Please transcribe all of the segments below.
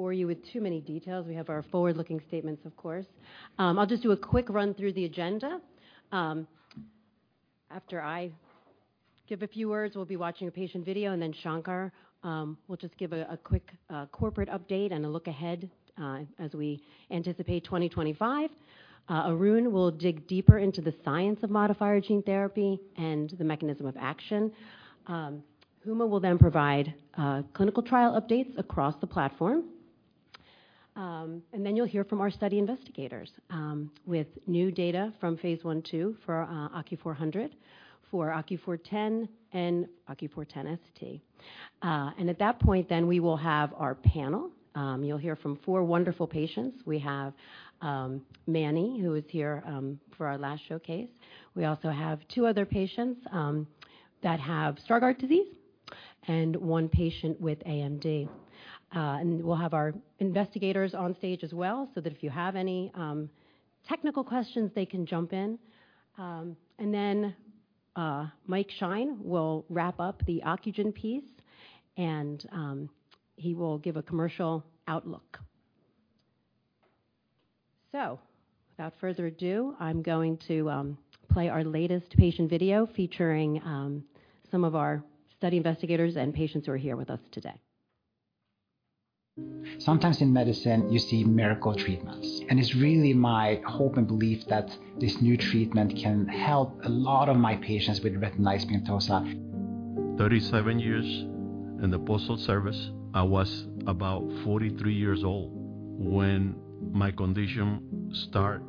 For you with too many details. We have our forward-looking statements, of course. I'll just do a quick run through the agenda. After I give a few words, we'll be watching a patient video, and then Shankar will just give a quick corporate update and a look ahead, as we anticipate 2025. Arun will dig deeper into the science of modifier gene therapy and the mechanism of action. Huma will then provide clinical trial updates across the platform. And then you'll hear from our study investigators, with new data from phase I, II for OCU400, for OCU410, and OCU410-ST. At that point, then, we will have our panel. You'll hear from four wonderful patients. We have Manny, who is here, for our last showcase. We also have two other patients that have Stargardt disease and one patient with AMD. We'll have our investigators on stage as well so that if you have any technical questions, they can jump in, and then Mike Shine will wrap up the Ocugen piece, and he will give a commercial outlook so without further ado, I'm going to play our latest patient video featuring some of our study investigators and patients who are here with us today. Sometimes in medicine, you see miracle treatments, and it's really my hope and belief that this new treatment can help a lot of my patients with retinitis pigmentosa. 37 years in the Postal Service. I was about 43 years old when my condition started,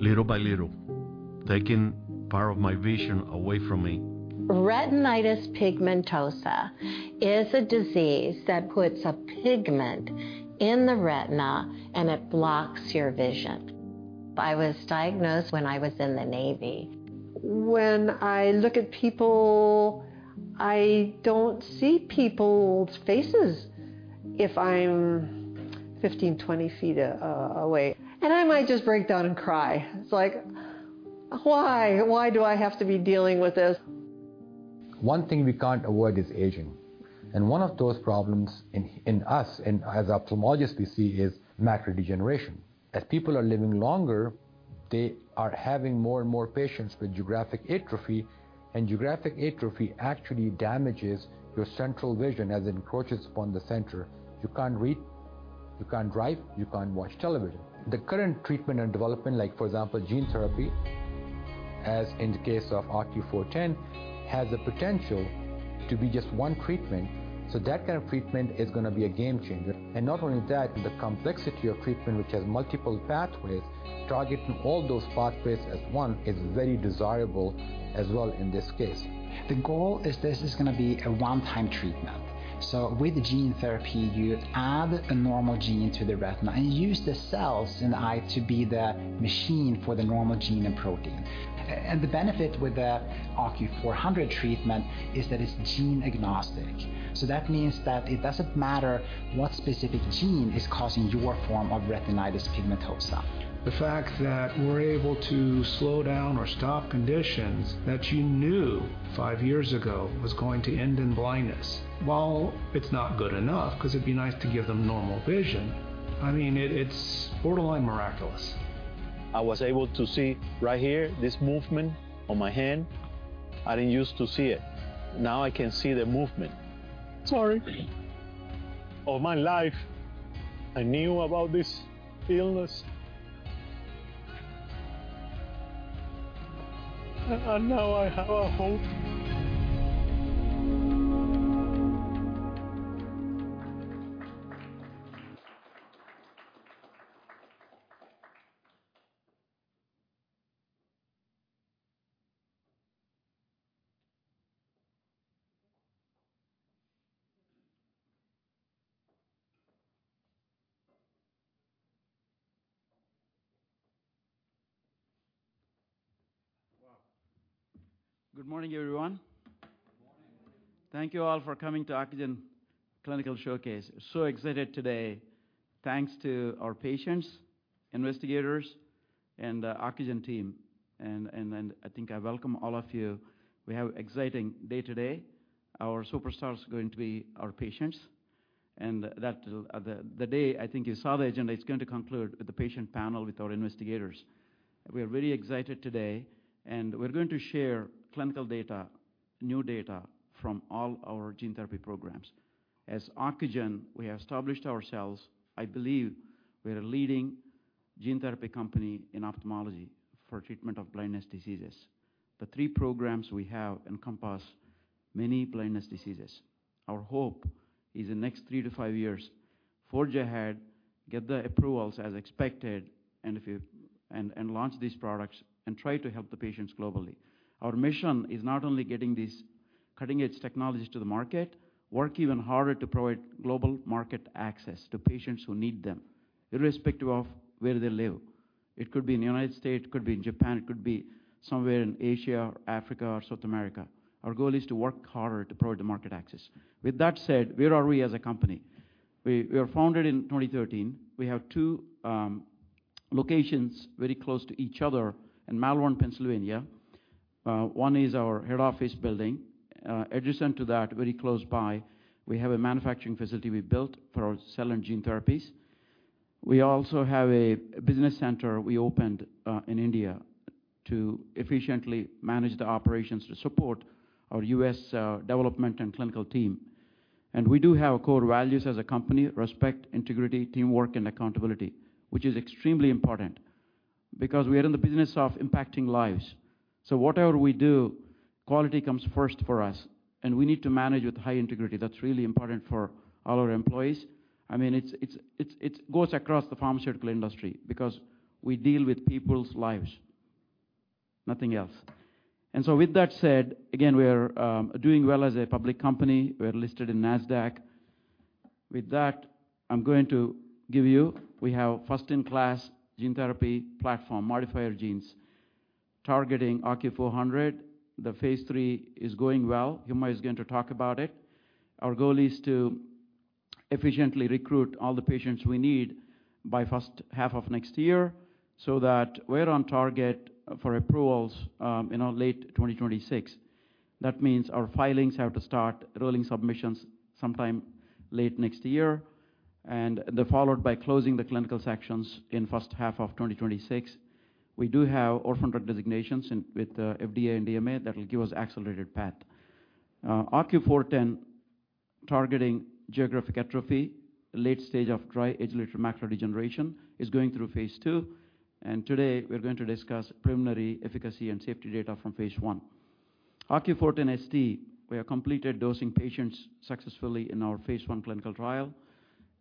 little by little, taking part of my vision away from me. Retinitis pigmentosa is a disease that puts a pigment in the retina, and it blocks your vision. I was diagnosed when I was in the Navy. When I look at people, I don't see people's faces if I'm 15-20 feet away, and I might just break down and cry. It's like, why? Why do I have to be dealing with this? One thing we can't avoid is aging, and one of those problems in us, and as ophthalmologists, we see is macular degeneration. As people are living longer, they are having more and more patients with geographic atrophy, and geographic atrophy actually damages your central vision as it encroaches upon the center. You can't read, you can't drive, you can't watch television. The current treatment and development, like, for example, gene therapy, as in the case of OCU410, has the potential to be just one treatment. So that kind of treatment is gonna be a game changer, and not only that, the complexity of treatment, which has multiple pathways, targeting all those pathways as one is very desirable as well in this case. The goal is this is gonna be a one-time treatment. So with gene therapy, you add a normal gene to the retina and use the cells in the eye to be the machine for the normal gene and protein. And the benefit with the OCU400 treatment is that it's gene agnostic. So that means that it doesn't matter what specific gene is causing your form of retinitis pigmentosa. The fact that we're able to slow down or stop conditions that you knew five years ago was going to end in blindness, while it's not good enough 'cause it'd be nice to give them normal vision, I mean, it's borderline miraculous. I was able to see right here this movement on my hand. I didn't use to see it. Now I can see the movement. Sorry. All my life, I knew about this illness. And now I have a hope. Wow. Good morning, everyone. Thank you all for coming to Ocugen Clinical Showcase. So excited today. Thanks to our patients, investigators, and the Ocugen team. And I think I welcome all of you. We have an exciting day today. Our superstar is going to be our patients. And that day, I think you saw the agenda, it's going to conclude with the patient panel with our investigators. We are very excited today, and we're going to share clinical data, new data from all our gene therapy programs. As Ocugen, we have established ourselves. I believe we are a leading gene therapy company in ophthalmology for treatment of blindness diseases. The three programs we have encompass many blindness diseases. Our hope is in the next three to five years, forge ahead, get the approvals as expected, and launch these products and try to help the patients globally. Our mission is not only getting these cutting-edge technologies to the market, work even harder to provide global market access to patients who need them, irrespective of where they live. It could be in the United States, it could be in Japan, it could be somewhere in Asia, Africa, or South America. Our goal is to work harder to provide the market access. With that said, where are we as a company? We were founded in 2013. We have two locations very close to each other in Malvern, Pennsylvania. One is our head office building. Adjacent to that, very close by, we have a manufacturing facility we built for our cell and gene therapies. We also have a business center we opened in India to efficiently manage the operations to support our U.S. development and clinical team. We do have core values as a company: respect, integrity, teamwork, and accountability, which is extremely important because we are in the business of impacting lives. Whatever we do, quality comes first for us, and we need to manage with high integrity. That's really important for all our employees. I mean, it's. It goes across the pharmaceutical industry because we deal with people's lives, nothing else. With that said, again, we are doing well as a public company. We are listed on Nasdaq. With that, I'm going to give you we have first-in-class gene therapy platform, modifier genes, targeting OCU400. The phase III is going well. Huma is going to talk about it. Our goal is to efficiently recruit all the patients we need by first half of next year so that we're on target for approvals in late 2026. That means our filings have to start rolling submissions sometime late next year, and they're followed by closing the clinical sections in first half of 2026. We do have orphan drug designations in with FDA and EMA that'll give us an accelerated path. OCU410, targeting geographic atrophy, late stage of dry age-related macular degeneraton, is going through phase II. And today, we're going to discuss preliminary efficacy and safety data from phase I. OCU410-ST, we have completed dosing patients successfully in our phase I clinical trial.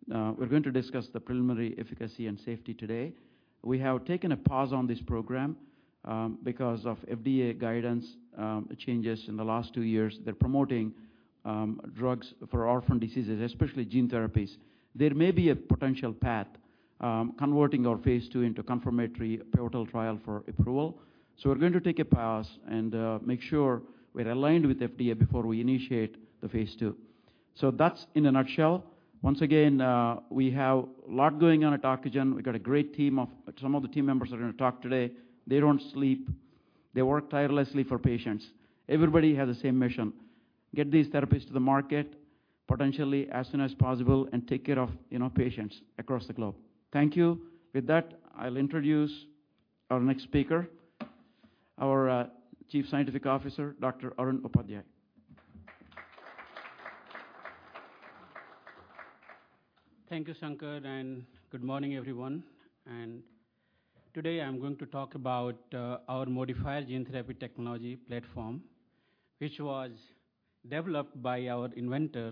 We're going to discuss the preliminary efficacy and safety today. We have taken a pause on this program, because of FDA guidance, changes in the last two years. They're promoting drugs for orphan diseases, especially gene therapies. There may be a potential path, converting our phase II into confirmatory pivotal trial for approval. So we're going to take a pause and make sure we're aligned with FDA before we initiate the phase II. So that's in a nutshell. Once again, we have a lot going on at Ocugen. We've got a great team of some of the team members are gonna talk today. They don't sleep. They work tirelessly for patients. Everybody has the same mission: get these therapies to the market potentially as soon as possible and take care of, you know, patients across the globe. Thank you. With that, I'll introduce our next speaker, our Chief Scientific Officer, Dr. Arun Upadhyay. Thank you, Shankar, and good morning, everyone. Today, I'm going to talk about our modifier gene therapy technology platform, which was developed by our inventor,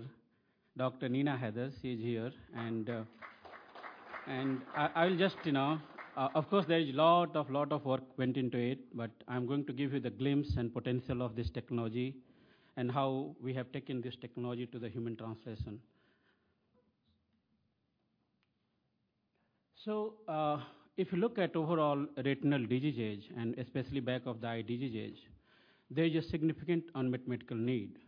Dr. Neena Haider. She's here. I’ll just, you know, of course, there is a lot of work went into it, but I'm going to give you the glimpse and potential of this technology and how we have taken this technology to the human translation. If you look at overall retinal diseases, and especially back of the eye diseases, there is a significant unmet medical need.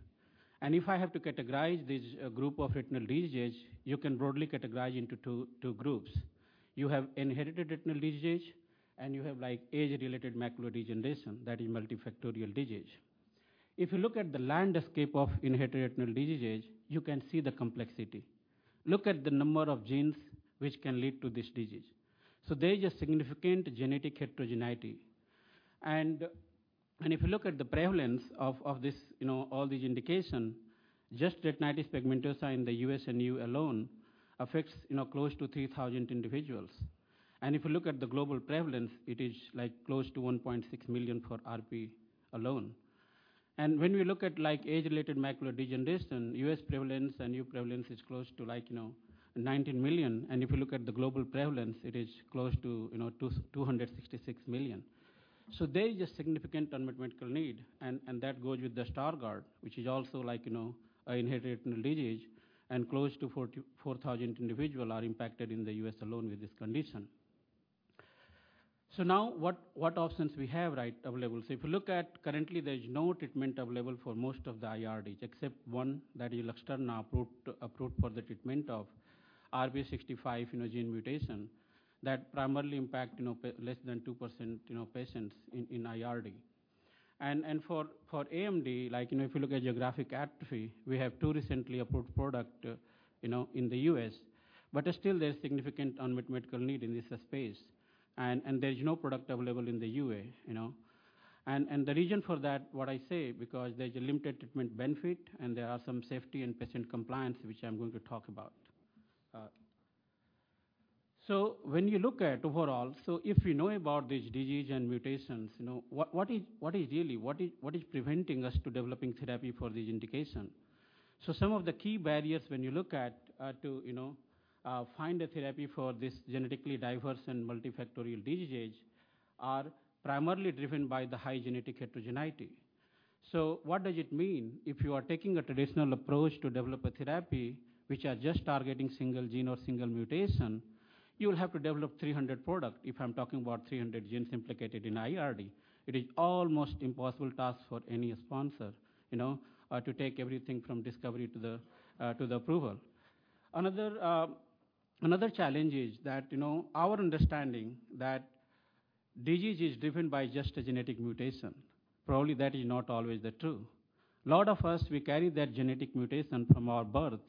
If I have to categorize this group of retinal diseases, you can broadly categorize into two, two groups. You have inherited retinal diseases, and you have, like, age-related macular degeneration that is multifactorial disease. If you look at the landscape of inherited retinal diseases, you can see the complexity. Look at the number of genes which can lead to this disease, so there is a significant genetic heterogeneity, and if you look at the prevalence of this, you know, all these indications, just retinitis pigmentosa in the U.S. and EU alone affects, you know, close to 3,000 individuals, and if you look at the global prevalence, it is like close to 1.6 million for RP alone, and when we look at, like, age-related macular degeneration, U.S. prevalence and EU prevalence is close to, like, you know, 19 million, and if you look at the global prevalence, it is close to, you know, 226 million, so there is a significant unmet medical need, and that goes with the Stargardt, which is also, like, you know, an inherited retinal disease, and close to 4,000 individuals are impacted in the U.S. alone with this condition. Now, what options we have, right, available? Currently, if you look at, there is no treatment available for most of the IRDs, except one that is Luxturna approved for the treatment of RPE65 gene mutation that primarily impacts, you know, less than 2%, you know, patients in IRD. For AMD, like, you know, if you look at geographic atrophy, we have two recently approved products, you know, in the US, but still there's significant unmet medical need in this space. There is no product available in the EU, you know. The reason for that, as I say, because there's a limited treatment benefit, and there are some safety and patient compliance, which I'm going to talk about. When you look at overall, if you know about these diseases and mutations, you know, what is really preventing us from developing therapy for these indications? Some of the key barriers when you look at, to, you know, find a therapy for these genetically diverse and multifactorial diseases are primarily driven by the high genetic heterogeneity. What does it mean? If you are taking a traditional approach to develop a therapy which is just targeting single gene or single mutation, you will have to develop 300 products if I'm talking about 300 genes implicated in IRD. It is almost an impossible task for any sponsor, you know, to take everything from discovery to the approval. Another challenge is that, you know, our understanding that disease is driven by just a genetic mutation, probably that is not always the truth. A lot of us, we carry that genetic mutation from our birth,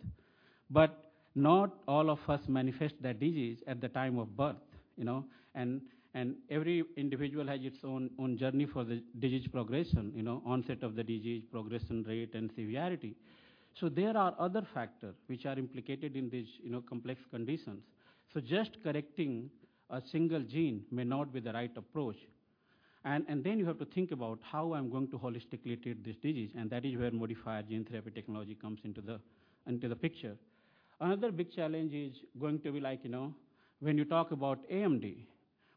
but not all of us manifest that disease at the time of birth, you know. And every individual has its own journey for the disease progression, you know, onset of the disease, progression rate, and severity. So there are other factors which are implicated in these, you know, complex conditions. So just correcting a single gene may not be the right approach. And then you have to think about how I'm going to holistically treat this disease. And that is where modifier gene therapy technology comes into the picture. Another big challenge is going to be like, you know, when you talk about AMD,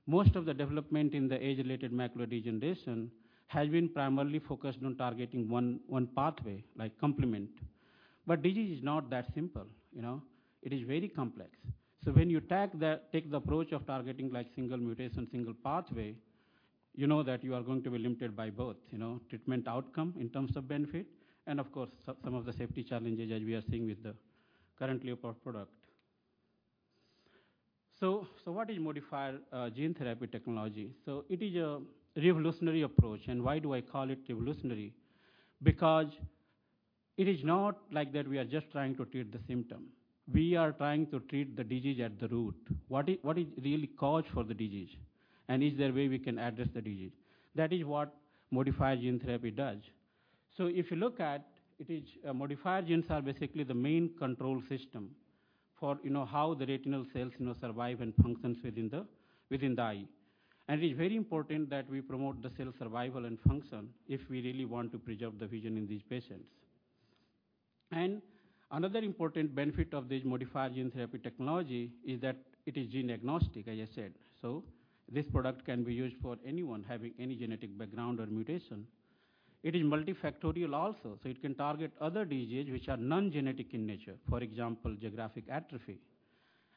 most of the development in the age-related macular degeneration has been primarily focused on targeting one pathway, like complement, but disease is not that simple, you know. It is very complex, so when you take the approach of targeting like single mutation, single pathway, you know that you are going to be limited by both, you know, treatment outcome in terms of benefit and, of course, some of the safety challenges as we are seeing with the currently available products, so what is modifier gene therapy technology? So it is a revolutionary approach, and why do I call it revolutionary? Because it is not like that we are just trying to treat the symptom. We are trying to treat the disease at the root. What is really cause for the disease? And is there a way we can address the disease? That is what modifier gene therapy does, so if you look at modifier genes are basically the main control system for, you know, how the retinal cells, you know, survive and function within the eye, and it is very important that we promote the cell survival and function if we really want to preserve the vision in these patients, and another important benefit of this modifier gene therapy technology is that it is gene agnostic, as I said, so this product can be used for anyone having any genetic background or mutation. It is multifactorial also, so it can target other diseases which are non-genetic in nature, for example, geographic atrophy,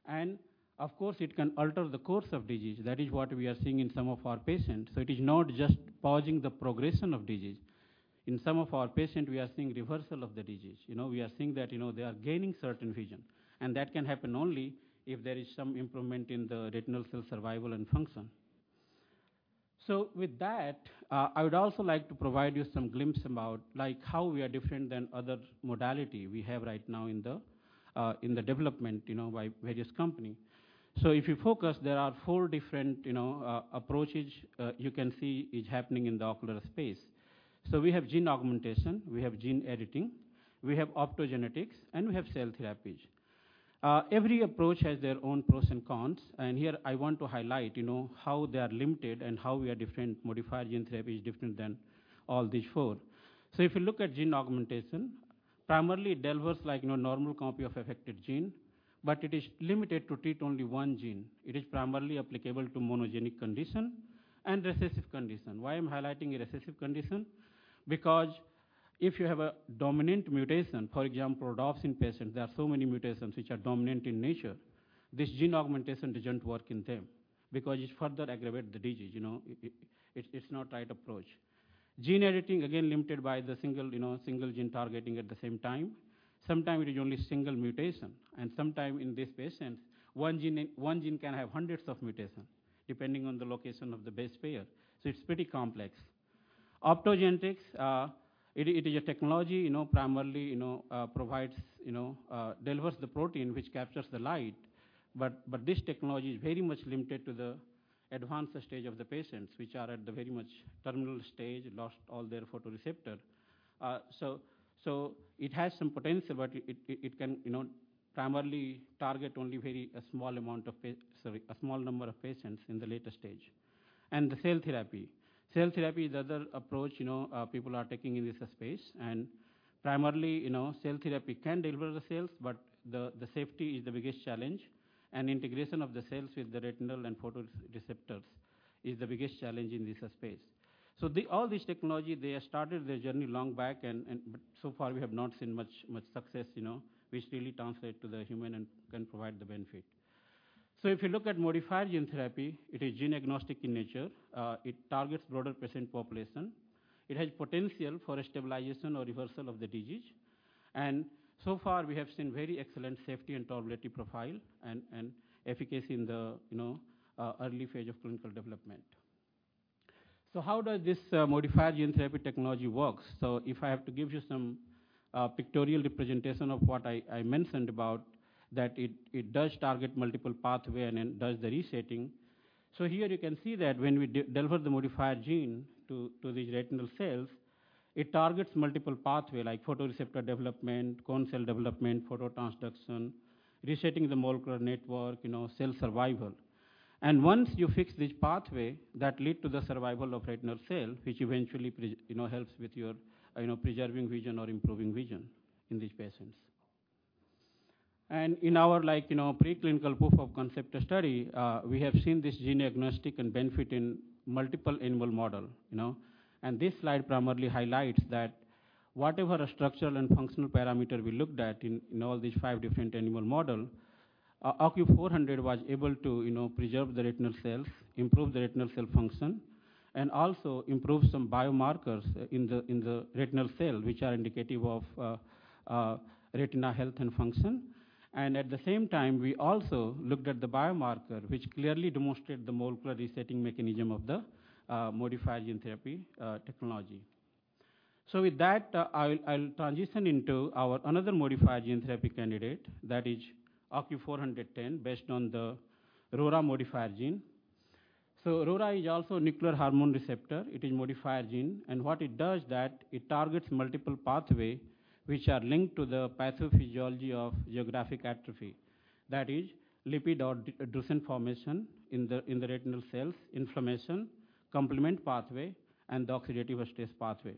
and, of course, it can alter the course of disease. That is what we are seeing in some of our patients. So it is not just pausing the progression of disease. In some of our patients, we are seeing reversal of the disease. You know, we are seeing that, you know, they are gaining certain vision. And that can happen only if there is some improvement in the retinal cell survival and function. So with that, I would also like to provide you some glimpse about, like, how we are different than other modalities we have right now in the, in the development, you know, by various companies. So if you focus, there are four different, you know, approaches, you can see is happening in the ocular space. So we have gene augmentation, we have gene editing, we have optogenetics, and we have cell therapies. Every approach has their own pros and cons. Here, I want to highlight, you know, how they are limited and how we are different. Modifier gene therapy is different than all these four. So if you look at gene augmentation, primarily it delivers, like, you know, a normal copy of affected gene, but it is limited to treat only one gene. It is primarily applicable to monogenic condition and recessive condition. Why am I highlighting a recessive condition? Because if you have a dominant mutation, for example, Rhodopsin patients, there are so many mutations which are dominant in nature. This gene augmentation doesn't work in them because it further aggravates the disease, you know. It's not the right approach. Gene editing, again, limited by the single gene targeting at the same time. Sometimes it is only single mutation, and sometimes in these patients, one gene, one gene can have hundreds of mutations depending on the location of the base pair. So it's pretty complex. Optogenetics, it is a technology, you know, primarily, you know, provides, you know, delivers the protein which captures the light. But this technology is very much limited to the advanced stage of the patients which are at the very much terminal stage, lost all their photoreceptors. So it has some potential, but it can, you know, primarily target only a small number of patients in the later stage. The cell therapy. Cell therapy is the other approach, you know, people are taking in this space. Primarily, you know, cell therapy can deliver the cells, but the safety is the biggest challenge. Integration of the cells with the retina and photoreceptors is the biggest challenge in this space. All these technologies have started their journey long back, and so far, we have not seen much, much success, you know, which really translates to the human and can provide the benefit. If you look at modifier gene therapy, it is gene agnostic in nature. It targets broader patient population. It has potential for stabilization or reversal of the disease. So far, we have seen very excellent safety and tolerability profile and efficacy in the, you know, early phase of clinical development. How does this modifier gene therapy technology work? If I have to give you some pictorial representation of what I mentioned about that it does target multiple pathways and then does the resetting. So here you can see that when we deliver the modifier gene to these retinal cells, it targets multiple pathways, like photoreceptor development, cones cell development, phototransduction, resetting the molecular network, you know, cell survival. Once you fix this pathway, that leads to the survival of retinal cells, which eventually, you know, helps with your, you know, preserving vision or improving vision in these patients. In our, like, you know, preclinical proof of concept study, we have seen this gene-agnostic benefit in multiple animal models, you know. This slide primarily highlights that whatever structural and functional parameters we looked at in all these five different animal models, OCU400 was able to, you know, preserve the retinal cells, improve the retinal cell function, and also improve some biomarkers in the retinal cells, which are indicative of retina health and function. At the same time, we also looked at the biomarker, which clearly demonstrated the molecular resetting mechanism of the modifier gene therapy technology. With that, I'll transition into our another modifier gene therapy candidate that is OCU410 based on the RORA modifier gene. RORA is also a nuclear hormone receptor. It is a modifier gene. What it does is that it targets multiple pathways which are linked to the pathophysiology of geographic atrophy. That is lipid or drusen formation in the retinal cells, inflammation, complement pathway, and the oxidative stress pathway.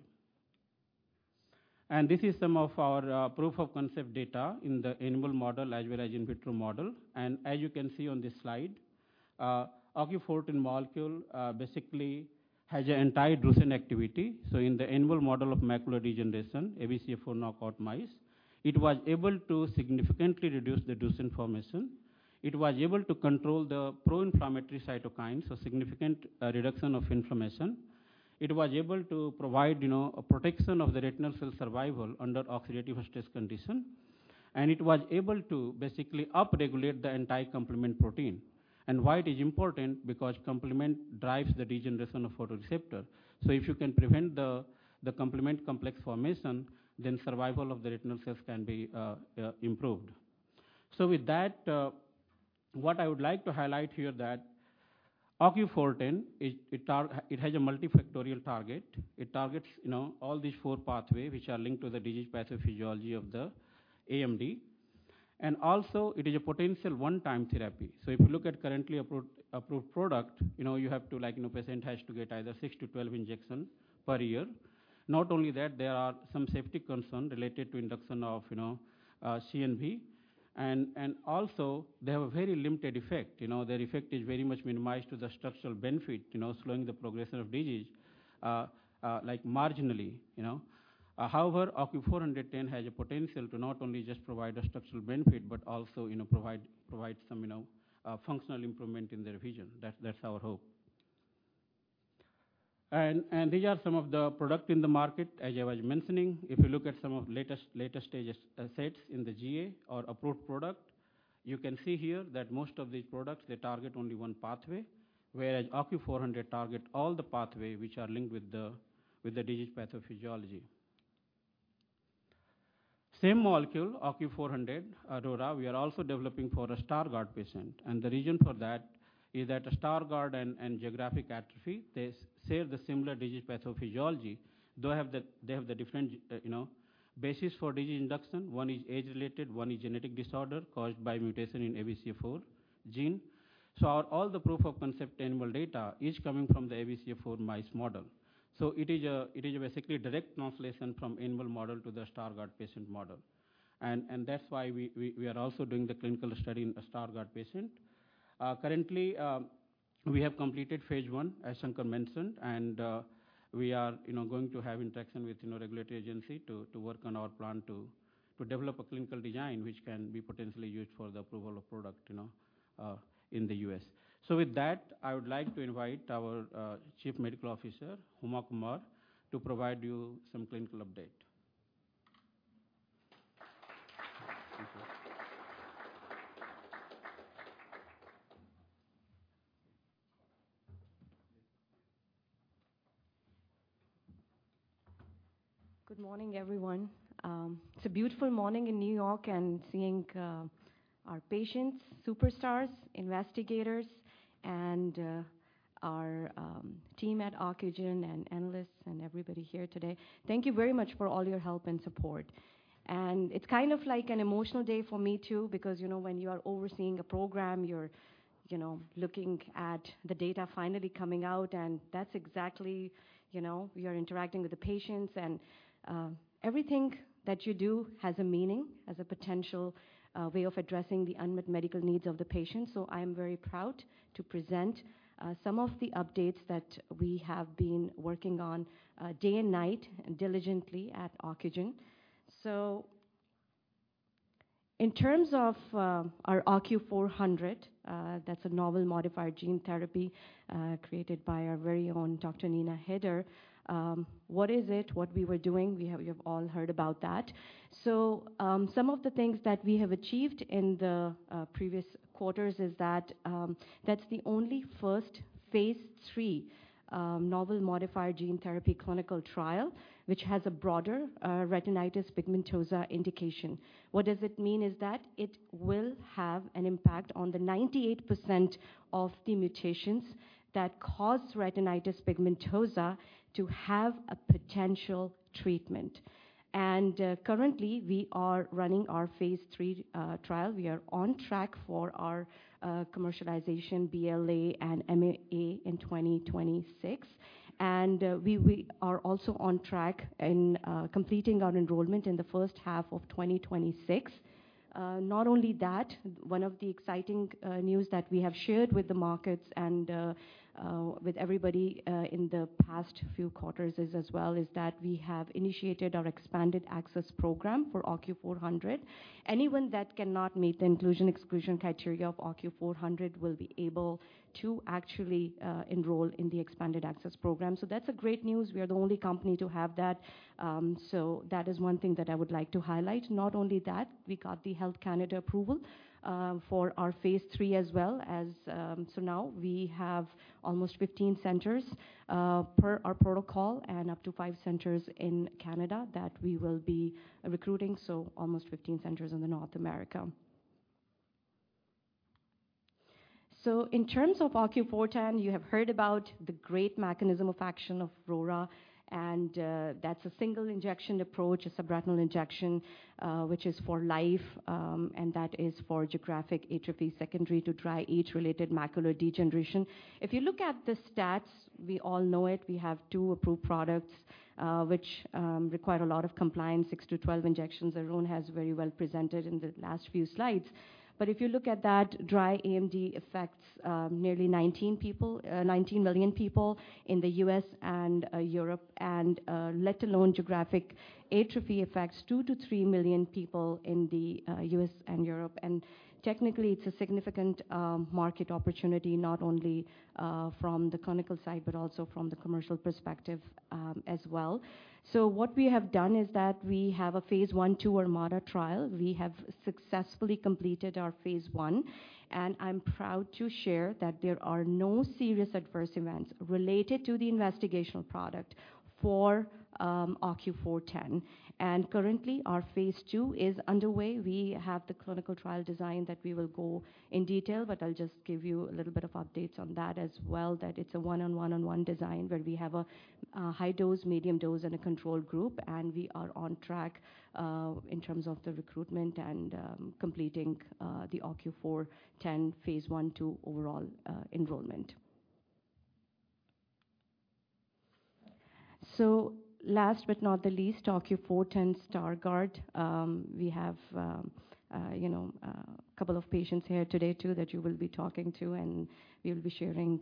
This is some of our proof of concept data in the animal model as well as in vitro model. As you can see on this slide, OCU410 molecule basically has an anti-drusen activity. In the animal model of macular degeneration, ABCA4 knockout mice, it was able to significantly reduce the drusen formation. It was able to control the pro-inflammatory cytokines, so significant reduction of inflammation. It was able to provide, you know, a protection of the retinal cell survival under oxidative stress condition. And it was able to basically upregulate the anti-complement protein. And why it is important? Because complement drives the degeneration of photoreceptors. So if you can prevent the complement complex formation, then survival of the retinal cells can be improved. So with that, what I would like to highlight here is that OCU410, it has a multifactorial target. It targets, you know, all these four pathways which are linked to the disease pathophysiology of the AMD. And also, it is a potential one-time therapy. So if you look at currently approved product, you know, you have to, like, you know, patient has to get either six to 12 injections per year. Not only that, there are some safety concerns related to induction of, you know, CNV. And also, they have a very limited effect. You know, their effect is very much minimized to the structural benefit, you know, slowing the progression of disease, like marginally, you know. However, OCU410 has a potential to not only just provide a structural benefit but also, you know, provide some, you know, functional improvement in their vision. That's our hope. And these are some of the products in the market, as I was mentioning. If you look at some of the latest, latest stage assets in the GA or approved product, you can see here that most of these products, they target only one pathway, whereas OCU400 targets all the pathways which are linked with the disease pathophysiology. Same molecule, OCU400, RORA, we are also developing for a Stargardt patient. And the reason for that is that Stargardt and geographic atrophy, they share the similar disease pathophysiology. They have the different, you know, basis for disease induction. One is age-related, one is genetic disorder caused by mutation in ABCA4 gene. So our all the proof of concept animal data is coming from the ABCA4 mice model. So it is basically a direct translation from animal model to the Stargardt patient model. That's why we are also doing the clinical study in a Stargardt patient. Currently, we have completed phase I, as Shankar mentioned, and we are, you know, going to have interaction with, you know, regulatory agency to work on our plan to develop a clinical design which can be potentially used for the approval of product, you know, in the U.S. With that, I would like to invite our Chief Medical Officer, Huma Qamar, to provide you some clinical update. Good morning, everyone. It's a beautiful morning in New York and seeing our patients, superstars, investigators, and our team at Ocugen and analysts and everybody here today. Thank you very much for all your help and support. It's kind of like an emotional day for me too because, you know, when you are overseeing a program, you're, you know, looking at the data finally coming out, and that's exactly, you know, you're interacting with the patients, and, everything that you do has a meaning, has a potential, way of addressing the unmet medical needs of the patients. So I am very proud to present, some of the updates that we have been working on, day and night diligently at Ocugen. So in terms of, our OCU400, that's a novel modifier gene therapy, created by our very own Dr. Neena Haider. What is it? What we were doing? We have, you have all heard about that. So, some of the things that we have achieved in the previous quarters is that that's the only first phase three novel modifier gene therapy clinical trial which has a broader retinitis pigmentosa indication. What does it mean? It is that it will have an impact on the 98% of the mutations that cause retinitis pigmentosa to have a potential treatment. And currently, we are running our phase three trial. We are on track for our commercialization, BLA, and MAA in 2026. And we are also on track in completing our enrollment in the first half of 2026. Not only that, one of the exciting news that we have shared with the markets and with everybody in the past few quarters is that we have initiated our expanded access program for OCU400. Anyone that cannot meet the inclusion/exclusion criteria of OCU400 will be able to actually enroll in the expanded access program. So that's great news. We are the only company to have that. So that is one thing that I would like to highlight. Not only that, we got the Health Canada approval for our phase III as well as, so now we have almost 15 centers per our protocol and up to five centers in Canada that we will be recruiting. So almost 15 centers in North America. So in terms of OCU410, you have heard about the great mechanism of action of RORA, and that's a single injection approach, a subretinal injection, which is for life, and that is for geographic atrophy secondary to dry age-related macular degeneration. If you look at the stats, we all know it. We have two approved products, which require a lot of compliance: 6-12 injections. Arun has very well presented in the last few slides. But if you look at that dry AMD affects nearly 19 million people in the U.S. and Europe, and let alone geographic atrophy affects 2 million-3 million people in the U.S. and Europe. And technically, it's a significant market opportunity, not only from the clinical side but also from the commercial perspective, as well. So what we have done is that we have a phase I, II ArMaDa trial. We have successfully completed our phase II, and I'm proud to share that there are no serious adverse events related to the investigational product for OCU410. And currently, our phase ii is underway. We have the clinical trial design that we will go in detail, but I'll just give you a little bit of updates on that as well, that it's a one-on-one, one-on-one design where we have a high dose, medium dose, and a control group, and we are on track in terms of the recruitment and completing the OCU410 phase I, II overall enrollment. So last but not the least, OCU410-ST, we have you know a couple of patients here today too that you will be talking to, and we will be sharing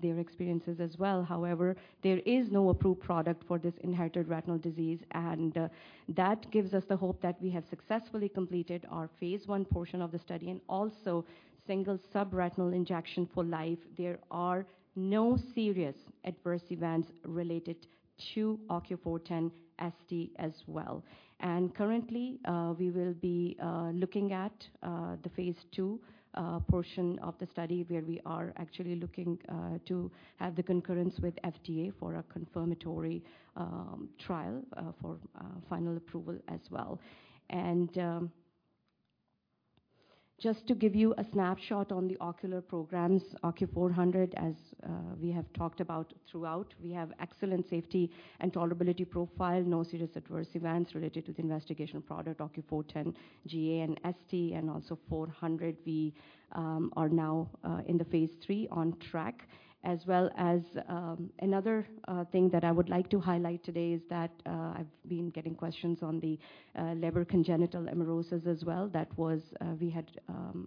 their experiences as well. However, there is no approved product for this inherited retinal disease, and that gives us the hope that we have successfully completed our phase I portion of the study and also single subretinal injection for life. There are no serious adverse events related to OCU410-ST as well. Currently, we will be looking at the phase two portion of the study where we are actually looking to have the concurrence with FDA for a confirmatory trial for final approval as well. Just to give you a snapshot on the ocular programs, OCU400, as we have talked about throughout, we have excellent safety and tolerability profile, no serious adverse events related to the investigational product, OCU410 GA and SD, and also 400. We are now in the phase three on track. As well as another thing that I would like to highlight today is that, I've been getting questions on the Leber congenital amaurosis as well. That was, we had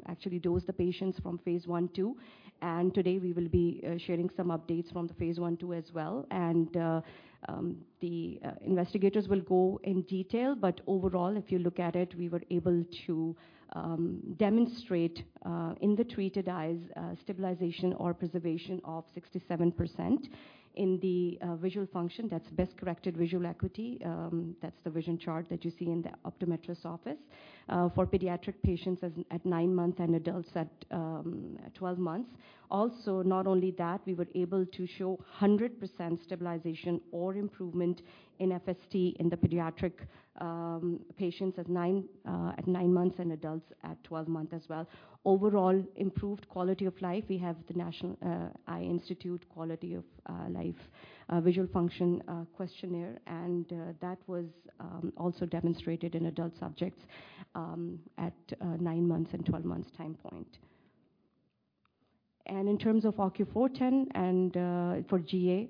actually dosed the patients from phase I/II, and today we will be sharing some updates from the phase I/II as well. The investigators will go in detail, but overall, if you look at it, we were able to demonstrate in the treated eyes stabilization or preservation of 67% in the visual function. That's best corrected visual acuity. That's the vision chart that you see in the optometrist's office, for pediatric patients at nine months and adults at 12 months. Also, not only that, we were able to show 100% stabilization or improvement in FST in the pediatric patients at nine months and adults at 12 months as well. Overall, improved quality of life. We have the National Eye Institute Quality of Life Visual Function Questionnaire, and that was also demonstrated in adult subjects at nine months and 12 months time point. In terms of OCU410 and for GA,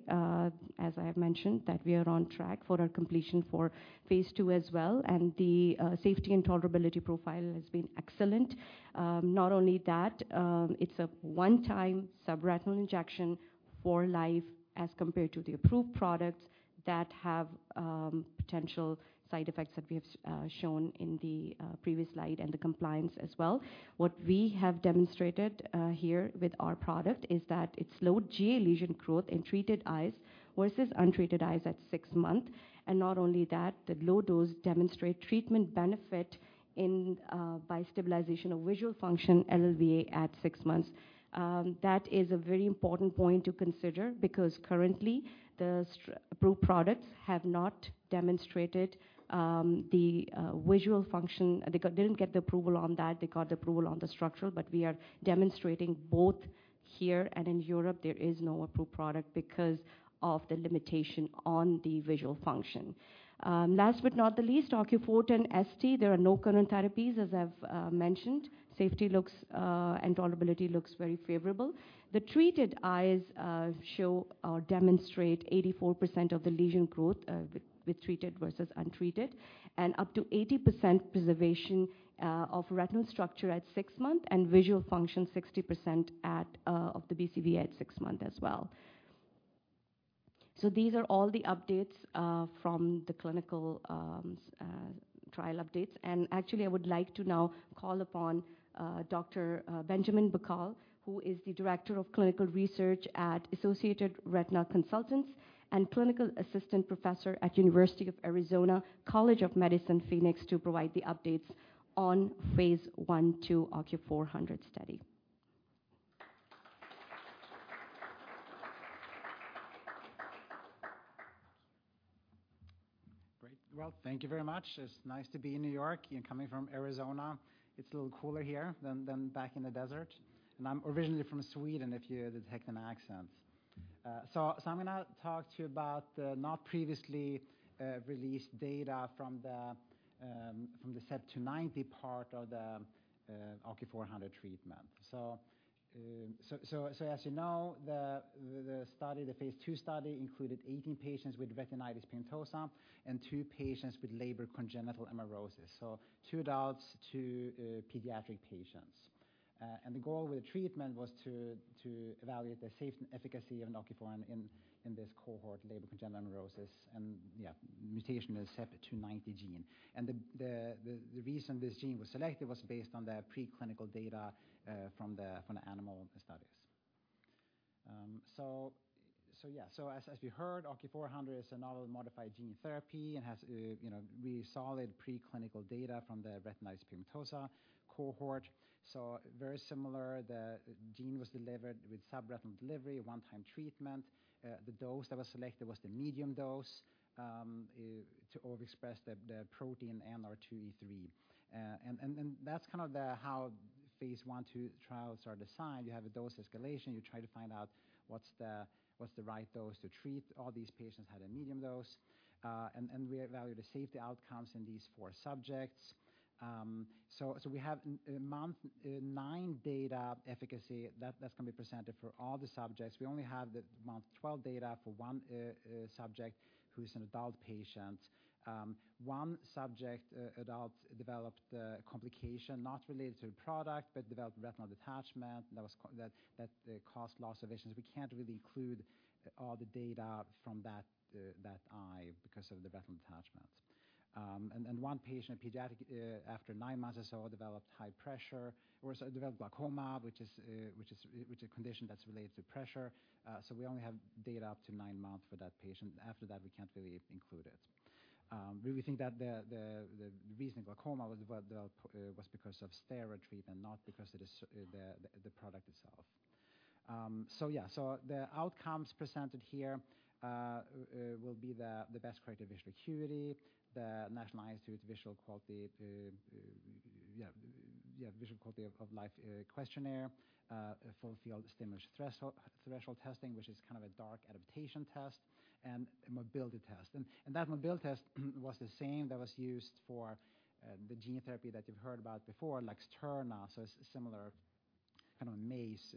as I have mentioned, that we are on track for our completion for phase two as well. And the safety and tolerability profile has been excellent. Not only that, it's a one-time subretinal injection for life as compared to the approved products that have potential side effects that we have shown in the previous slide and the compliance as well. What we have demonstrated here with our product is that it slowed GA lesion growth in treated eyes versus untreated eyes at six months. And not only that, the low dose demonstrates treatment benefit in by stabilization of visual function, LLVA at six months. That is a very important point to consider because currently the approved products have not demonstrated the visual function. They didn't get the approval on that. They got the approval on the structural, but we are demonstrating both here and in Europe there is no approved product because of the limitation on the visual function. Last but not the least, OCU410ST, there are no current therapies, as I've mentioned. Safety looks and tolerability looks very favorable. The treated eyes show or demonstrate 84% of the lesion growth with treated versus untreated and up to 80% preservation of retinal structure at six months and visual function 60% at of the BCVA at six months as well. So these are all the updates from the clinical trial updates. And actually, I would like to now call upon Dr. Benjamin Bakall, who is the Director of Clinical Research at Associated Retina Consultants and Clinical Assistant Professor at University of Arizona College of Medicine, Phoenix, to provide the updates on phase I/II OCU400 study. Great. Well, thank you very much. It's nice to be in New York. You're coming from Arizona. It's a little cooler here than back in the desert. I'm originally from Sweden, if you detect an accent. I'm gonna talk to you about the not previously released data from the CEP290 part of the OCU400 treatment. As you know, the phase II study included 18 patients with retinitis pigmentosa and two patients with Leber congenital amaurosis. Two adults, two pediatric patients. The goal with the treatment was to evaluate the safety and efficacy of OCU400 in this cohort, Leber congenital amaurosis, and yeah, mutation is CEP290 gene. The reason this gene was selected was based on the preclinical data from the animal studies. As we heard, OCU400 is a novel modifier gene therapy and has, you know, really solid preclinical data from the retinitis pigmentosa cohort. So very similar, the gene was delivered with subretinal delivery, one-time treatment. The dose that was selected was the medium dose, to overexpress the protein NR2E3. And that's kind of the how phaseI, II trials are designed. You have a dose escalation. You try to find out what's the right dose to treat. All these patients had a medium dose. And we evaluated the safety outcomes in these four subjects. So we have month nine data efficacy that's gonna be presented for all the subjects. We only have the month 12 data for one subject who's an adult patient. One subject, adult, developed complication not related to the product but developed retinal detachment. That caused loss of vision. So we can't really include all the data from that eye because of the retinal detachment. And one patient, a pediatric, after nine months or so, developed high pressure or developed glaucoma, which is a condition that's related to pressure. So we only have data up to nine months for that patient. After that, we can't really include it. We think that the reason glaucoma was developed was because of steroid treatment, not because of the product itself. So yeah. The outcomes presented here will be the best corrected visual acuity, the National Eye Institute Visual Quality of Life Questionnaire, Full Field Stimulus Threshold Testing, which is kind of a dark adaptation test, and a mobility test. That mobility test was the same that was used for the gene therapy that you've heard about before, like Luxturna. It's similar kind of a maze,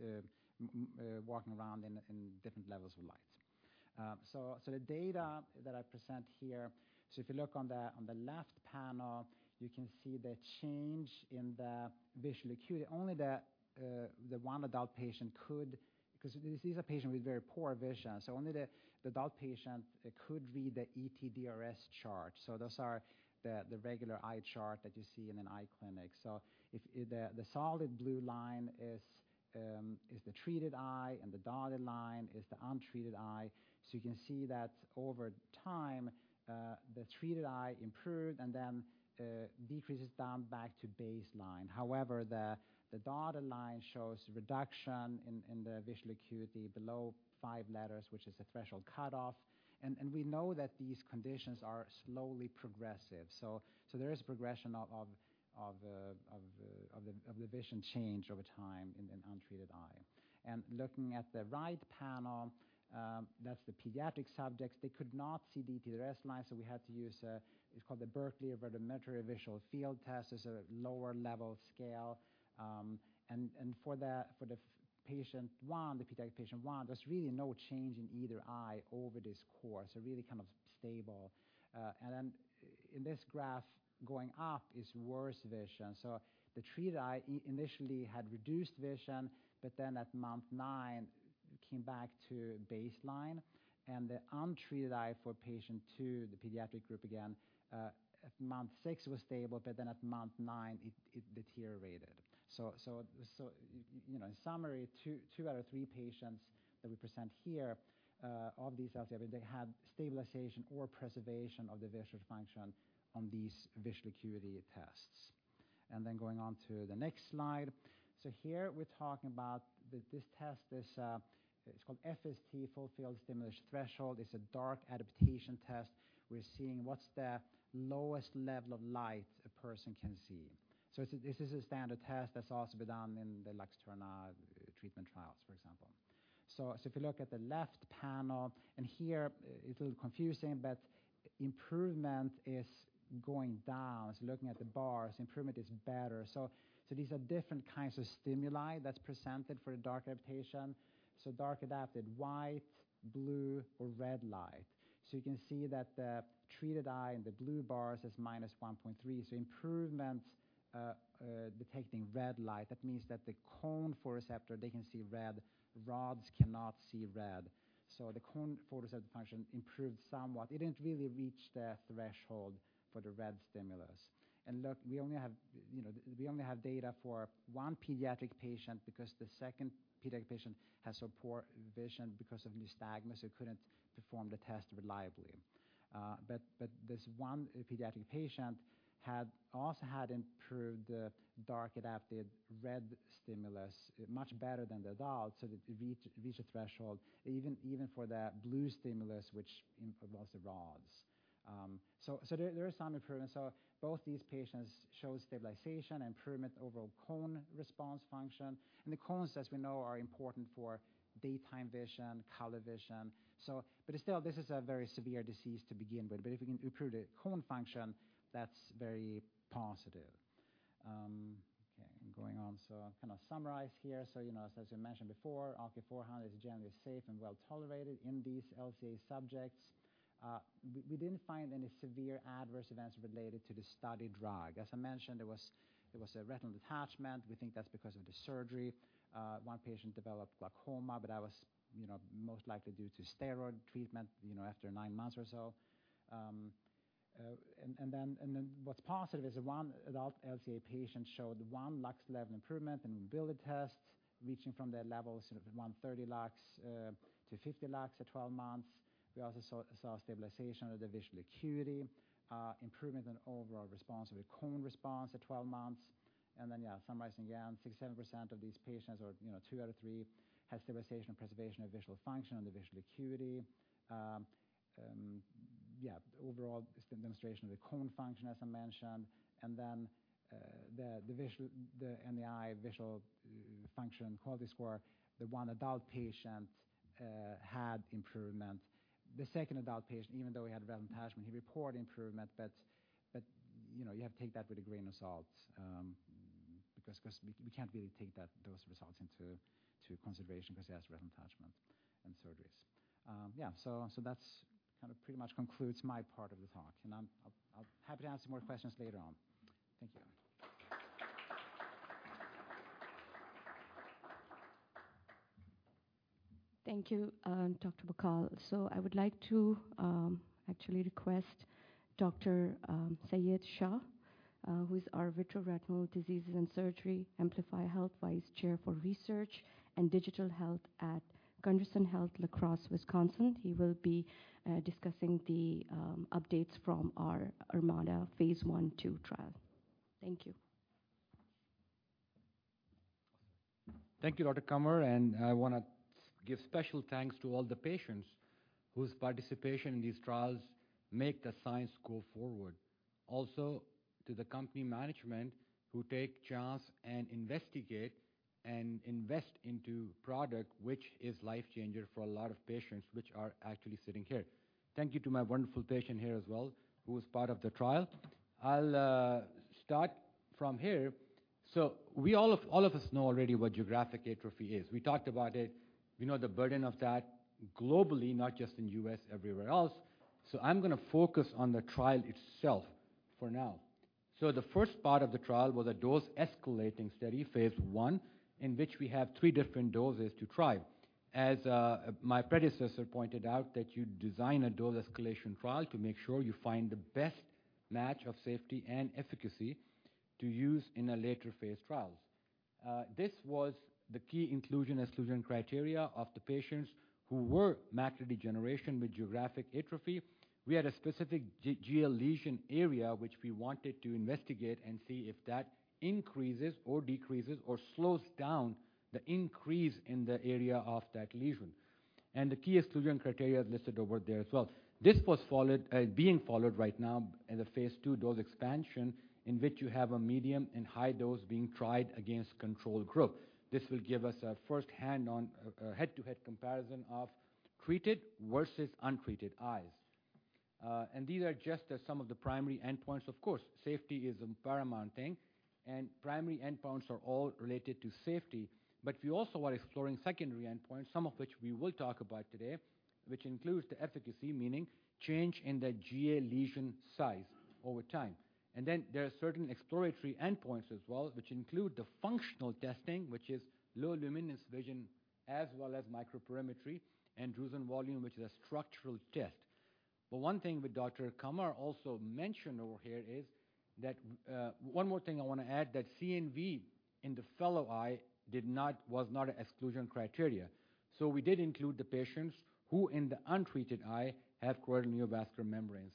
walking around in different levels of light. The data that I present here, if you look on the left panel, you can see the change in the visual acuity. Only the one adult patient could, because this is a patient with very poor vision. Only the adult patient could read the ETDRS chart. Those are the regular eye chart that you see in an eye clinic. If the solid blue line is the treated eye, and the dotted line is the untreated eye. You can see that over time, the treated eye improved and then decreases down back to baseline. However, the dotted line shows reduction in the visual acuity below five letters, which is a threshold cutoff. We know that these conditions are slowly progressive. There is a progression of the vision change over time in untreated eye. Looking at the right panel, that's the pediatric subjects. They could not see the ETDRS line, so we had to use it. It's called the Berkeley Rudimentary Vision Test. It's a lower level scale. For the patient one, the pediatric patient one, there's really no change in either eye over this course. So really kind of stable. Then in this graph going up is worse vision. So the treated eye initially had reduced vision, but then at month nine, came back to baseline. The untreated eye for patient two, the pediatric group again, at month six was stable, but then at month nine, it deteriorated. So, you know, in summary, two out of three patients that we present here, of these LCA, they had stabilization or preservation of the visual function on these visual acuity tests. And then going on to the next slide. So here we're talking about that this test is, it's called FST, full-field stimulus threshold. It's a dark adaptation test. We're seeing what's the lowest level of light a person can see. So it's a, this is a standard test that's also been done in the Luxturna treatment trials, for example. So if you look at the left panel, and here, it's a little confusing, but improvement is going down. So looking at the bars, improvement is better. So these are different kinds of stimuli that's presented for the dark adaptation. So dark adapted white, blue, or red light. You can see that the treated eye in the blue bars is -1.3. So improvement, detecting red light, that means that the cone photoreceptor, they can see red. Rods cannot see red. So the cone photoreceptor function improved somewhat. It didn't really reach the threshold for the red stimulus. And look, we only have, you know, we only have data for one pediatric patient because the second pediatric patient has so poor vision because of nystagmus, so couldn't perform the test reliably. But this one pediatric patient had also improved the dark adapted red stimulus, much better than the adult. So it reached a threshold, even for the blue stimulus, which involves the rods. So there is some improvement. So both these patients showed stabilization and improvement overall cone response function. The cones, as we know, are important for daytime vision, color vision. But still, this is a very severe disease to begin with. If we can improve the cone function, that's very positive. Okay. I'm going on. I'm gonna summarize here. You know, as I mentioned before, OCU400 is generally safe and well tolerated in these LCA subjects. We didn't find any severe adverse events related to the study drug. As I mentioned, there was a retinal detachment. We think that's because of the surgery. One patient developed glaucoma, but that was, you know, most likely due to steroid treatment, you know, after nine months or so. Then what's positive is that one adult LCA patient showed one lux level improvement in mobility test, reaching from the levels of 130 lux to 50 lux at 12 months. We also saw stabilization of the visual acuity, improvement in overall response of the cone response at 12 months. And then, yeah, summarizing again, 67% of these patients or, you know, two out of three had stabilization or preservation of visual function on the visual acuity. Yeah, overall demonstration of the cone function, as I mentioned. And then, the NEI visual function quality score, the one adult patient, had improvement. The second adult patient, even though he had retinal detachment, he reported improvement, but you know, you have to take that with a grain of salt, because we can't really take those results into consideration because he has retinal detachment and surgeries. Yeah. So that's kind of pretty much concludes my part of the talk. And I'll be happy to answer more questions later on. Thank you. Thank you, Dr. Bakall. So I would like to actually request Dr. Syed Shah, who is our Vitreoretinal Diseases and Surgery Emplify Health Vice Chair for Research and Digital Health at Gundersen Health System, La Crosse, Wisconsin. He will be discussing the updates from our OCU410 Phase I/II trial. Thank you. Thank you, Dr. Qamar. I wanna give special thanks to all the patients whose participation in these trials makes the science go forward. Also to the company management who take chance and investigate and invest into product, which is life-changer for a lot of patients which are actually sitting here. Thank you to my wonderful patient here as well, who was part of the trial. I'll start from here. So all of us know already what geographic atrophy is. We talked about it. We know the burden of that globally, not just in the U.S., everywhere else. So I'm gonna focus on the trial itself for now. So the first part of the trial was a dose escalating study, phase I, in which we have three different doses to try. As my predecessor pointed out, that you design a dose escalation trial to make sure you find the best match of safety and efficacy to use in a later phase trials. This was the key inclusion exclusion criteria of the patients who were macular degeneration with geographic atrophy. We had a specific GA lesion area, which we wanted to investigate and see if that increases or decreases or slows down the increase in the area of that lesion. And the key exclusion criteria listed over there as well. This was followed, being followed right now in the phase 2 dose expansion, in which you have a medium and high dose being tried against control group. This will give us a firsthand, head-to-head comparison of treated versus untreated eyes, and these are just some of the primary endpoints. Of course, safety is a paramount thing, and primary endpoints are all related to safety, but we also are exploring secondary endpoints, some of which we will talk about today, which includes the efficacy, meaning change in the GA lesion size over time, and then there are certain exploratory endpoints as well, which include the functional testing, which is low luminance vision as well as microperimetry and drusen volume, which is a structural test, but one thing that Dr. Qamar also mentioned over here is that one more thing I wanna add, that CNV in the fellow eye was not an exclusion criteria. So we did include the patients who, in the untreated eye, have choroidal neovascular membranes.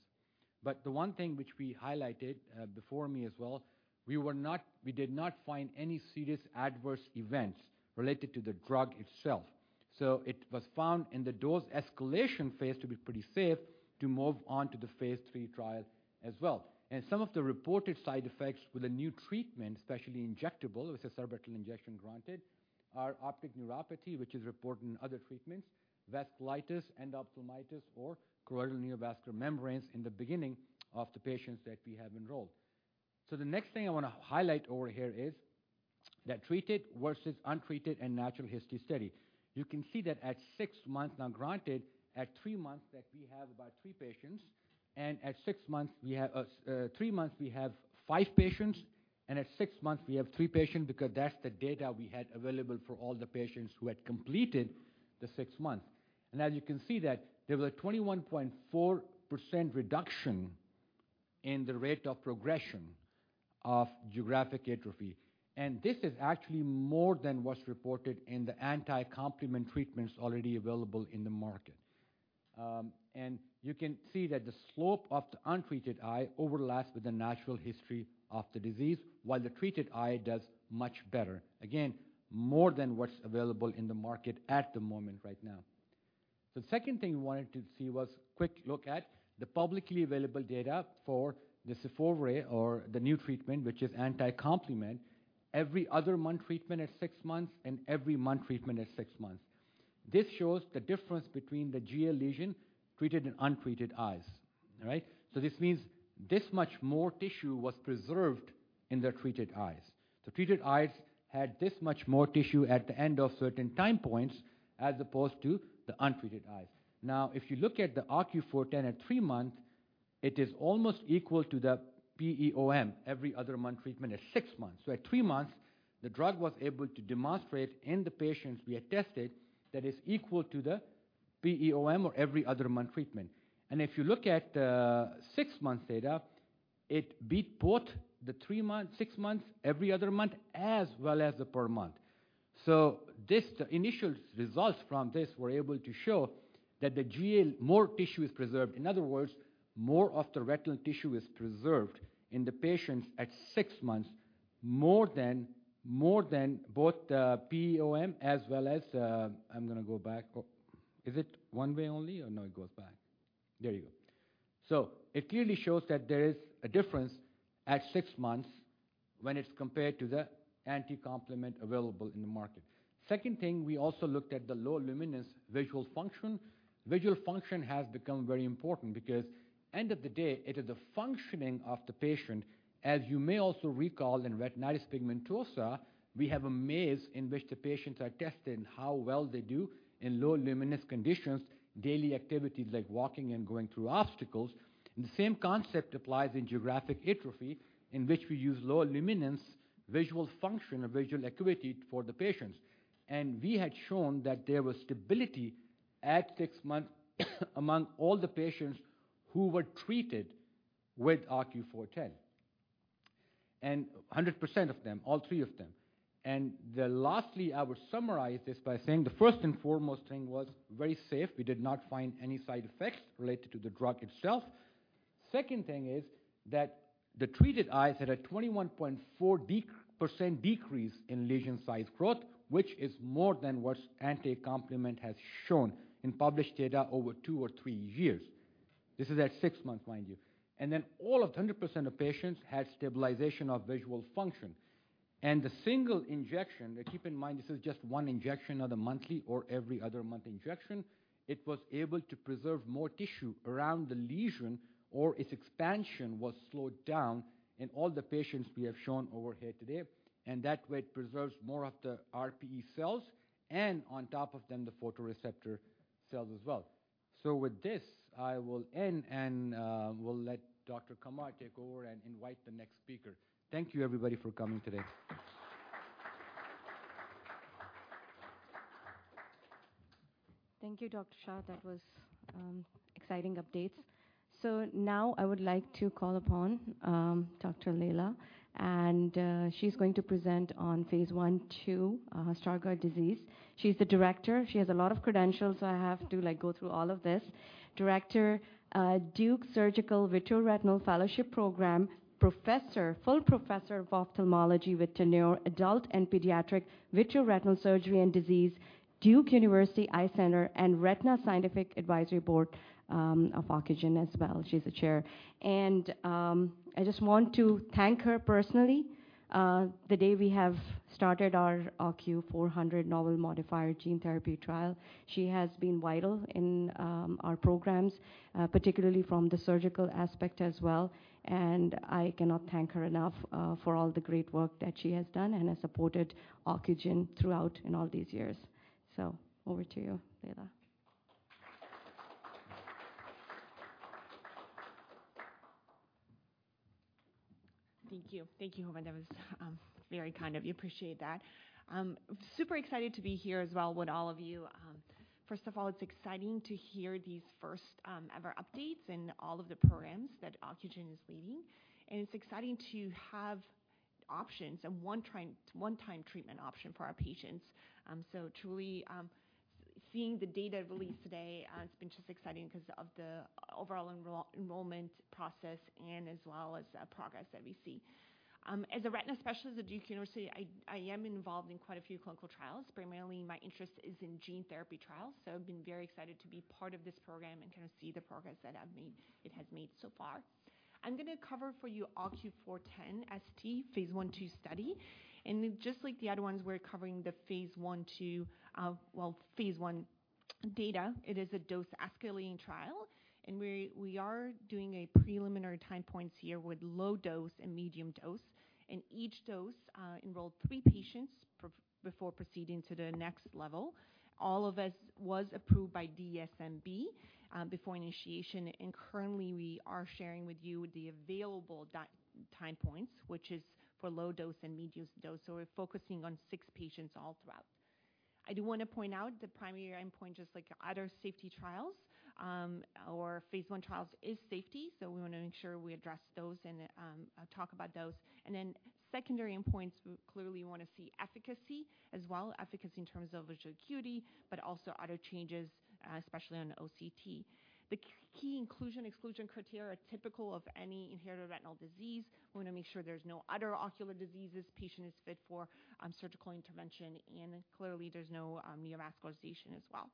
But the one thing which we highlighted, before me as well, we were not, we did not find any serious adverse events related to the drug itself. So it was found in the dose escalation phase to be pretty safe to move on to the phase III trial as well. And some of the reported side effects with a new treatment, especially injectable, with a subretinal injection granted, are optic neuropathy, which is reported in other treatments, vasculitis, endophthalmitis, or choroidal neovascularization in the beginning of the patients that we have enrolled. So the next thing I wanna highlight over here is that treated versus untreated and natural history study. You can see that at six months. Now granted, at three months we have five patients, and at six months we have three patients because that's the data we had available for all the patients who had completed the six months. And as you can see that there was a 21.4% reduction in the rate of progression of geographic atrophy. And this is actually more than what's reported in the anti-complement treatments already available in the market. And you can see that the slope of the untreated eye overlaps with the natural history of the disease, while the treated eye does much better. Again, more than what's available in the market at the moment right now. So the second thing we wanted to see was a quick look at the publicly available data for the Syfovre or the new treatment, which is anti-complement, every other month treatment at six months and every month treatment at six months. This shows the difference between the GA lesion treated and untreated eyes. All right? So this means this much more tissue was preserved in the treated eyes. The treated eyes had this much more tissue at the end of certain time points as opposed to the untreated eyes. Now, if you look at the OCU410 at three months, it is almost equal to the Syfovre, every other month treatment at six months. So at three months, the drug was able to demonstrate in the patients we had tested that it's equal to the Syfovre or every other month treatment. If you look at the six months data, it beat both the three months, six months, every other month, as well as the per month. This initial results from this were able to show that the GA, more tissue is preserved. In other words, more of the retinal tissue is preserved in the patients at six months, more than, more than both the PEOM as well as, I'm gonna go back. Is it one way only or no, it goes back? There you go. It clearly shows that there is a difference at six months when it's compared to the anti-complement available in the market. Second thing, we also looked at the low luminance visual function. Visual function has become very important because at the end of the day, it is the functioning of the patient. As you may also recall in retinitis pigmentosa, we have a maze in which the patients are tested in how well they do in low luminance conditions, daily activities like walking and going through obstacles. The same concept applies in geographic atrophy, in which we use low luminance visual function or visual acuity for the patients, and we had shown that there was stability at six months among all the patients who were treated with OCU410, and 100% of them, all three of them, and lastly, I would summarize this by saying the first and foremost thing was very safe. We did not find any side effects related to the drug itself. Second thing is that the treated eyes had a 21.4% decrease in lesion size growth, which is more than what anti-complement has shown in published data over two or three years. This is at six months, mind you. And then all of 100% of patients had stabilization of visual function. And the single injection, and keep in mind this is just one injection of the monthly or every other month injection, it was able to preserve more tissue around the lesion or its expansion was slowed down in all the patients we have shown over here today. And that way it preserves more of the RPE cells and on top of them the photoreceptor cells as well. So with this, I will end and, we'll let Dr. Qamar take over and invite the next speaker. Thank you, everybody, for coming today. Thank you, Dr. Shah. That was exciting updates. So now I would like to call upon Dr. Lejla, and she's going to present on phase I/II, Stargardt disease. She's the director. She has a lot of credentials, so I have to, like, go through all of this. Director, Duke Surgical Vitreoretinal Fellowship Program, Professor, full Professor of Ophthalmology with Tenure Adult and Pediatric Vitreoretinal Surgery and Disease, Duke University Eye Center, and Retina Scientific Advisory Board, of Ocugen as well. She's a chair. And, I just want to thank her personally, the day we have started our OCU400 novel modifier gene therapy trial. She has been vital in, our programs, particularly from the surgical aspect as well. And I cannot thank her enough, for all the great work that she has done and has supported Ocugen throughout in all these years. So over to you, Lejla. Thank you, Jovan. That was, very kind of you. Appreciate that. Super excited to be here as well with all of you. First of all, it's exciting to hear these first ever updates and all of the programs that Ocugen is leading. It's exciting to have options and one-time treatment option for our patients. So truly, seeing the data released today, it's been just exciting because of the overall enrollment process and as well as progress that we see. As a retina specialist at Duke University, I am involved in quite a few clinical trials. Primarily, my interest is in gene therapy trials. So I've been very excited to be part of this program and kind of see the progress that it has made so far. I'm gonna cover for you OCU410ST phaseI, two study. And just like the other ones, we're covering the phase I, two phase I data. It is a dose escalating trial. We are doing a preliminary time points here with low dose and medium dose. Each dose, enrolled three patients before proceeding to the next level. All doses was approved by DSMB, before initiation. Currently, we are sharing with you the available time points, which is for low dose and medium dose. We're focusing on six patients all throughout. I do wanna point out the primary endpoint, just like other safety trials, or phase I trials is safety. We wanna make sure we address those and talk about those. Then secondary endpoints, we clearly wanna see efficacy as well, efficacy in terms of visual acuity, but also other changes, especially on OCT. The key inclusion exclusion criteria are typical of any inherited retinal disease. We wanna make sure there's no other ocular diseases patient is fit for surgical intervention. And clearly, there's no neovascularization as well,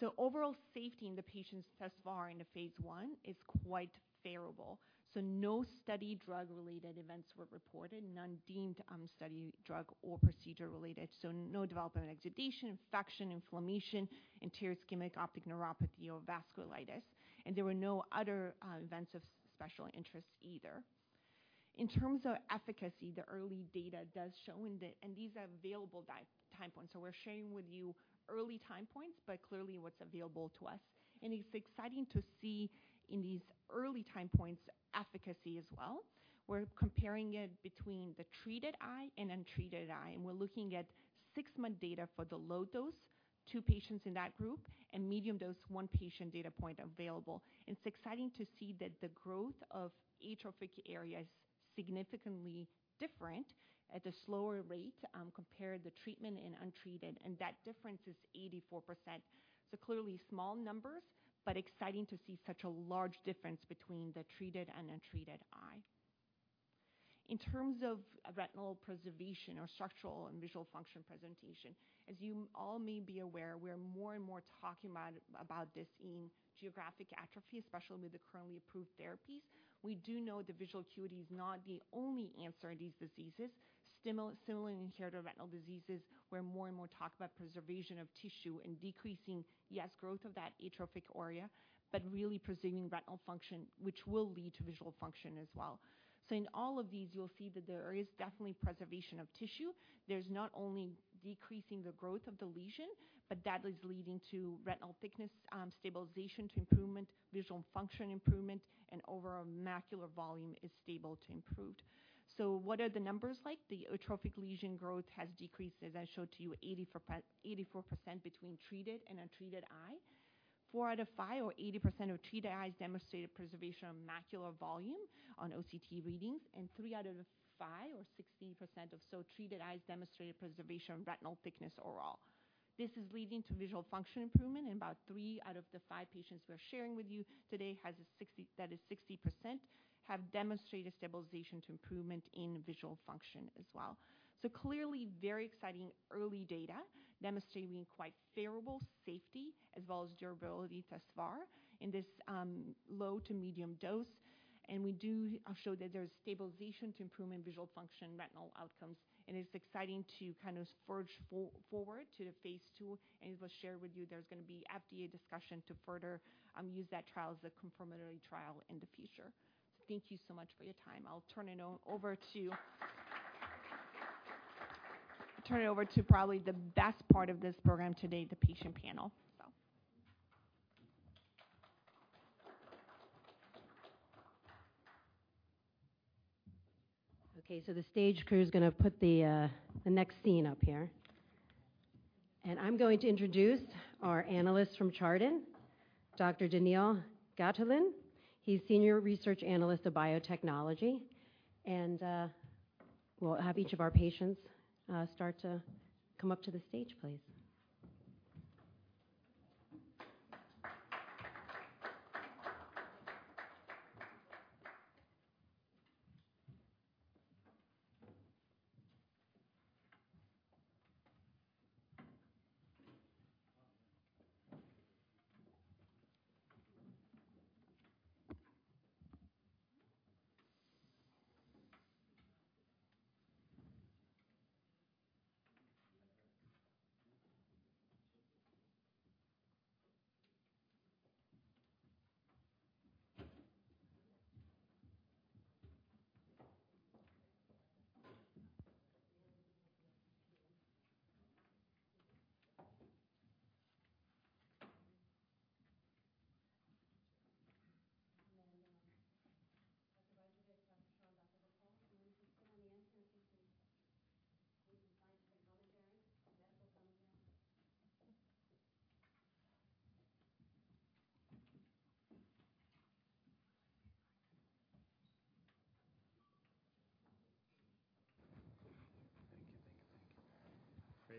so overall safety in the patients thus far in the phase I is quite favorable, so no study drug-related events were reported, none deemed study drug or procedure-related, so no development of exudation, infection, inflammation, anterior ischemic optic neuropathy, or vasculitis, and there were no other events of special interest either. In terms of efficacy, the early data does show in the and these are available time points, so we're sharing with you early time points, but clearly what's available to us, and it's exciting to see in these early time points efficacy as well. We're comparing it between the treated eye and untreated eye, and we're looking at six-month data for the low dose, two patients in that group, and medium dose, one patient data point available. It's exciting to see that the growth of atrophic area is significantly different at a slower rate, compared to treatment and untreated. That difference is 84%. Clearly, small numbers, but exciting to see such a large difference between the treated and untreated eye. In terms of retinal preservation or structural and visual function presentation, as you all may be aware, we're more and more talking about this in geographic atrophy, especially with the currently approved therapies. We do know the visual acuity is not the only answer in these diseases. Similar inherited retinal diseases, we're more and more talking about preservation of tissue and decreasing, yes, growth of that atrophic area, but really preserving retinal function, which will lead to visual function as well. In all of these, you'll see that there is definitely preservation of tissue. There's not only decreasing the growth of the lesion, but that is leading to retinal thickness stabilization to improvement, visual function improvement, and overall macular volume is stable to improved. So what are the numbers like? The atrophic lesion growth has decreased, as I showed to you, 84%, 84% between treated and untreated eye. Four out of five or 80% of treated eyes demonstrated preservation of macular volume on OCT readings, and three out of the five or 60% of those treated eyes demonstrated preservation of retinal thickness overall. This is leading to visual function improvement. And about three out of the five patients we're sharing with you today that's 60, that is 60% have demonstrated stabilization to improvement in visual function as well. So clearly, very exciting early data demonstrating quite favorable safety as well as durability thus far in this low to medium dose. We do show that there's stabilization to improvement visual function, retinal outcomes. It's exciting to kind of forge forward to the phase II. As was shared with you, there's gonna be FDA discussion to further use that trial as a complementary trial in the future, so thank you so much for your time. I'll turn it over to probably the best part of this program today, the patient panel. Okay. The stage crew is gonna put the next scene up here. I'm going to introduce our analyst from Chardan, Dr. Daniil Gataulin. He's senior research analyst of biotechnology. We'll have each of our patients start to come up to the stage, please.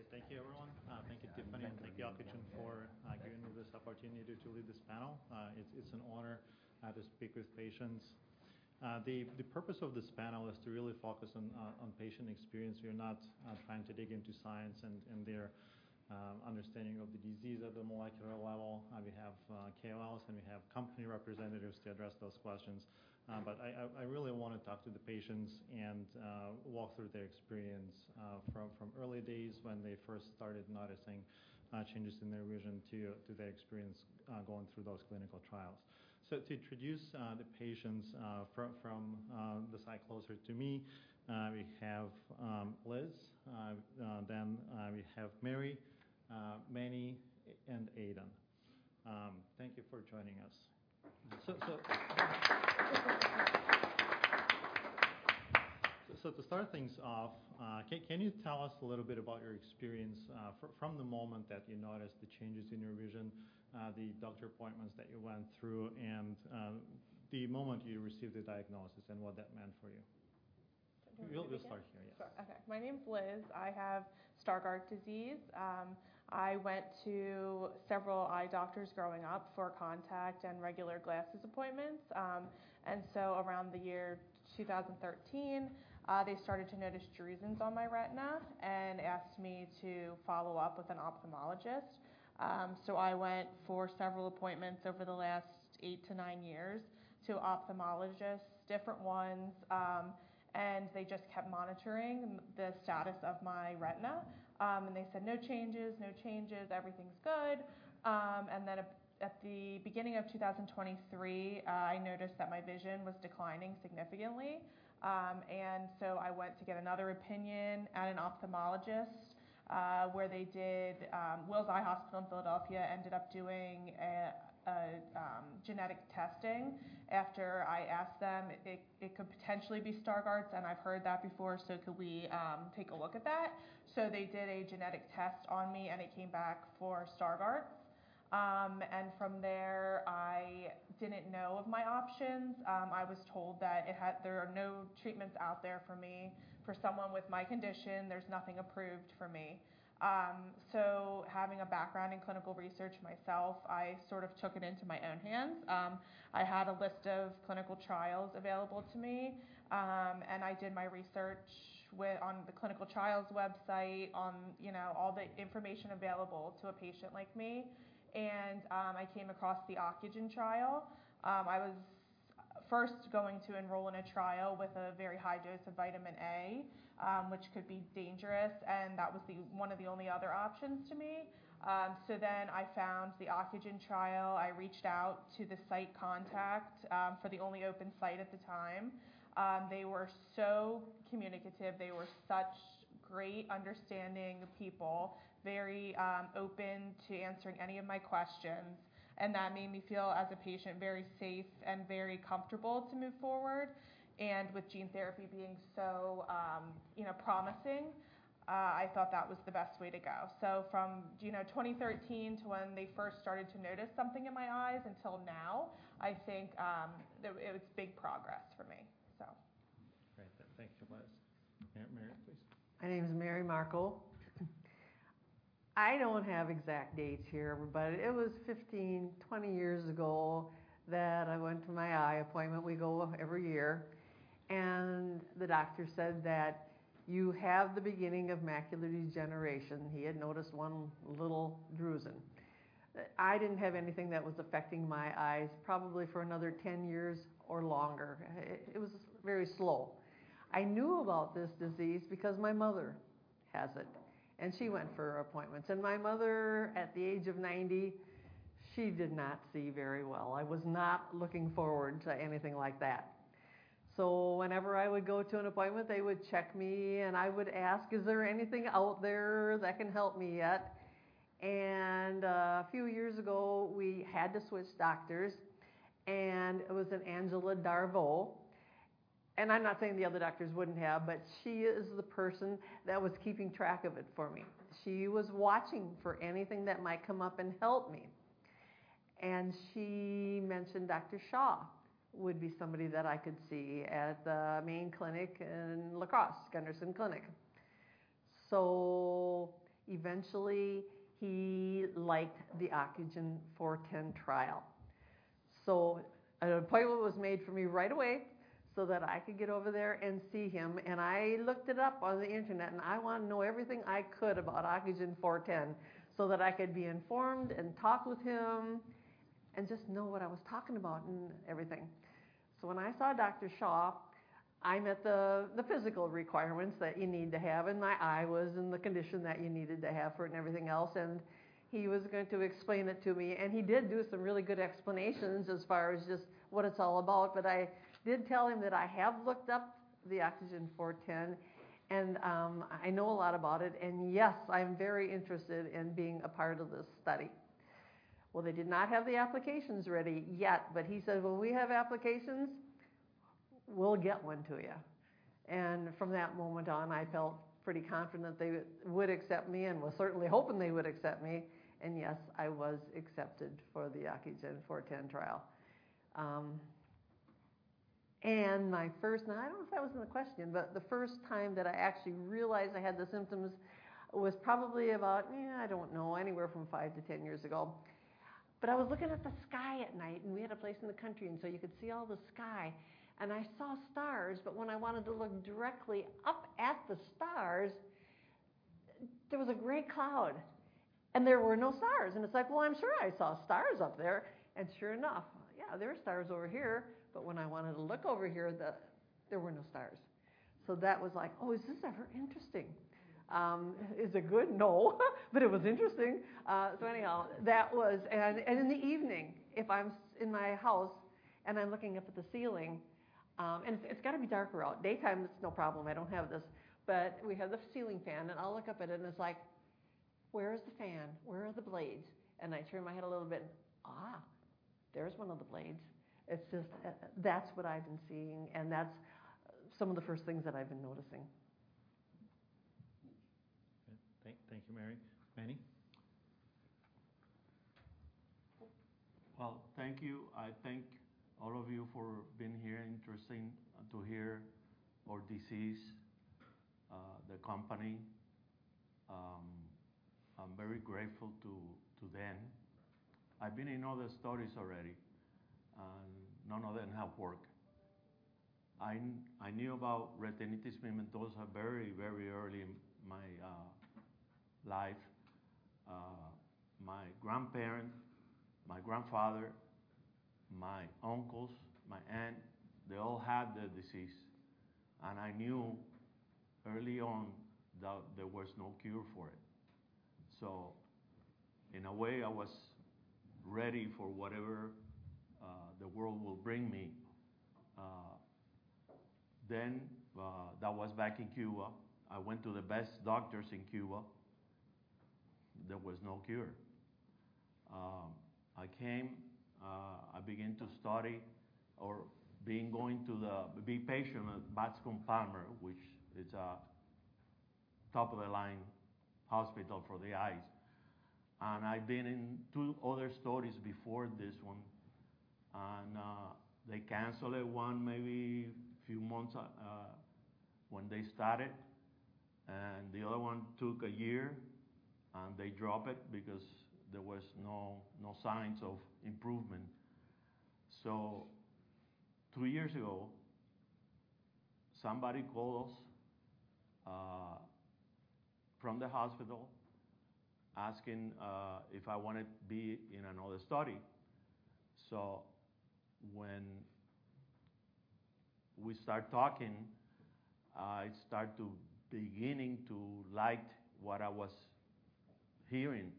Then, Dr. Breininger, Dr. Shah, back on the call. Do you want to take the stand on the answer? Okay. Please. Please be fine to take commentary. Medical commentary. Thank you. Thank you. Thank you. Great. Thank you, everyone. Thank you, Tiffany, and thank you, Ocugen, for giving me this opportunity to lead this panel. It's an honor to speak with patients. The purpose of this panel is to really focus on patient experience. We are not trying to dig into science and their understanding of the disease at the molecular level. We have KOLs and we have company representatives to address those questions. But I really wanna talk to the patients and walk through their experience, from early days when they first started noticing changes in their vision to their experience going through those clinical trials. So to introduce the patients, from the side closer to me, we have Liz, then we have Mary, Manny, and Adam. Thank you for joining us. So to start things off, can you tell us a little bit about your experience, from the moment that you noticed the changes in your vision, the doctor appointments that you went through, and the moment you received the diagnosis and what that meant for you? We'll start here. Yeah. Sure. Okay. My name's Liz. I have Stargardt disease. I went to several eye doctors growing up for contact and regular glasses appointments. So around the year 2013, they started to notice drusen on my retina and asked me to follow up with an ophthalmologist. So I went for several appointments over the last eight to nine years to ophthalmologists, different ones. They just kept monitoring the status of my retina. They said, "No changes, no changes, everything's good." Then at the beginning of 2023, I noticed that my vision was declining significantly. I went to get another opinion at an ophthalmologist. Wills Eye Hospital in Philadelphia ended up doing a genetic testing after I asked them, "It could potentially be Stargardt's, and I've heard that before, so could we take a look at that?" They did a genetic test on me, and it came back for Stargardt's. From there, I didn't know of my options. I was told that there are no treatments out there for me. For someone with my condition, there's nothing approved for me. Having a background in clinical research myself, I sort of took it into my own hands. I had a list of clinical trials available to me, and I did my research on the clinical trials website, you know, all the information available to a patient like me. I came across the Ocugen trial. I was first going to enroll in a trial with a very high dose of vitamin A, which could be dangerous, and that was one of the only other options to me, so then I found the Ocugen trial. I reached out to the site contact for the only open site at the time. They were so communicative. They were such great understanding people, very open to answering any of my questions. That made me feel, as a patient, very safe and very comfortable to move forward with gene therapy being so, you know, promising. I thought that was the best way to go. So from, you know, 2013 to when they first started to notice something in my eyes until now, I think that it was big progress for me, so. Great. Thank you, Liz. Mary, Mary, please. My name's Mary Markle. I don't have exact dates here, but it was 15-20 years ago that I went to my eye appointment. We go every year. And the doctor said that you have the beginning of macular degeneration. He had noticed one little drusen. I didn't have anything that was affecting my eyes probably for another 10 years or longer. It was very slow. I knew about this disease because my mother has it, and she went for her appointments. And my mother, at the age of 90, she did not see very well. I was not looking forward to anything like that. So whenever I would go to an appointment, they would check me, and I would ask, "Is there anything out there that can help me yet?" And a few years ago, we had to switch doctors, and it was an Angela Darbo. And I'm not saying the other doctors wouldn't have, but she is the person that was keeping track of it for me. She was watching for anything that might come up and help me. And she mentioned Dr. Shah would be somebody that I could see at the main clinic in La Crosse, Gundersen Clinic. So eventually, he liked the Ocugen 410 trial. So an appointment was made for me right away so that I could get over there and see him. I looked it up on the internet, and I wanna know everything I could about OCU410 so that I could be informed and talk with him and just know what I was talking about and everything. When I saw Dr. Shah, I met the physical requirements that you need to have, and my eye was in the condition that you needed to have for it and everything else. He was going to explain it to me. He did do some really good explanations as far as just what it's all about. I did tell him that I have looked up the OCU410, and I know a lot about it. Yes, I'm very interested in being a part of this study. They did not have the applications ready yet, but he said, "When we have applications, we'll get one to you." From that moment on, I felt pretty confident that they would accept me and was certainly hoping they would accept me. Yes, I was accepted for the OCU410 trial. I don't know if that was in the question, but the first time that I actually realized I had the symptoms was probably about, I don't know, anywhere from five to 10 years ago. I was looking at the sky at night, and we had a place in the country, and so you could see all the sky. I saw stars, but when I wanted to look directly up at the stars, there was a gray cloud, and there were no stars. It's like, "Well, I'm sure I saw stars up there." And sure enough, yeah, there are stars over here. But when I wanted to look over here, there were no stars. So that was like, "Oh, is this ever interesting?" Is it good? No. But it was interesting. So anyhow, that was, and in the evening, if I'm in my house and I'm looking up at the ceiling, and it's gotta be darker out. Daytime, it's no problem. I don't have this. But we have the ceiling fan, and I'll look up at it, and it's like, "Where is the fan? Where are the blades?" And I turn my head a little bit, and there's one of the blades. It's just, that's what I've been seeing, and that's some of the first things that I've been noticing. Okay. Thank you, Mary. Manny? Well, thank you. I thank all of you for being here and interested to hear about our disease, the company. I'm very grateful to them. I've been in other studies already, and none of them have worked. I knew about retinitis pigmentosa very, very early in my life. My grandparents, my grandfather, my uncles, my aunt, they all had the disease. I knew early on that there was no cure for it. So in a way, I was ready for whatever the world will bring me. That was back in Cuba. I went to the best doctors in Cuba. There was no cure. I came. I began to study or begin going to be a patient at Bascom Palmer, which is a top-of-the-line hospital for the eyes. I've been in two other studies before this one. They canceled it one, maybe a few months, when they started. And the other one took a year, and they dropped it because there was no signs of improvement. So two years ago, somebody called us from the hospital asking if I wanted to be in another study. So when we started talking, I started to beginning to like what I was hearing,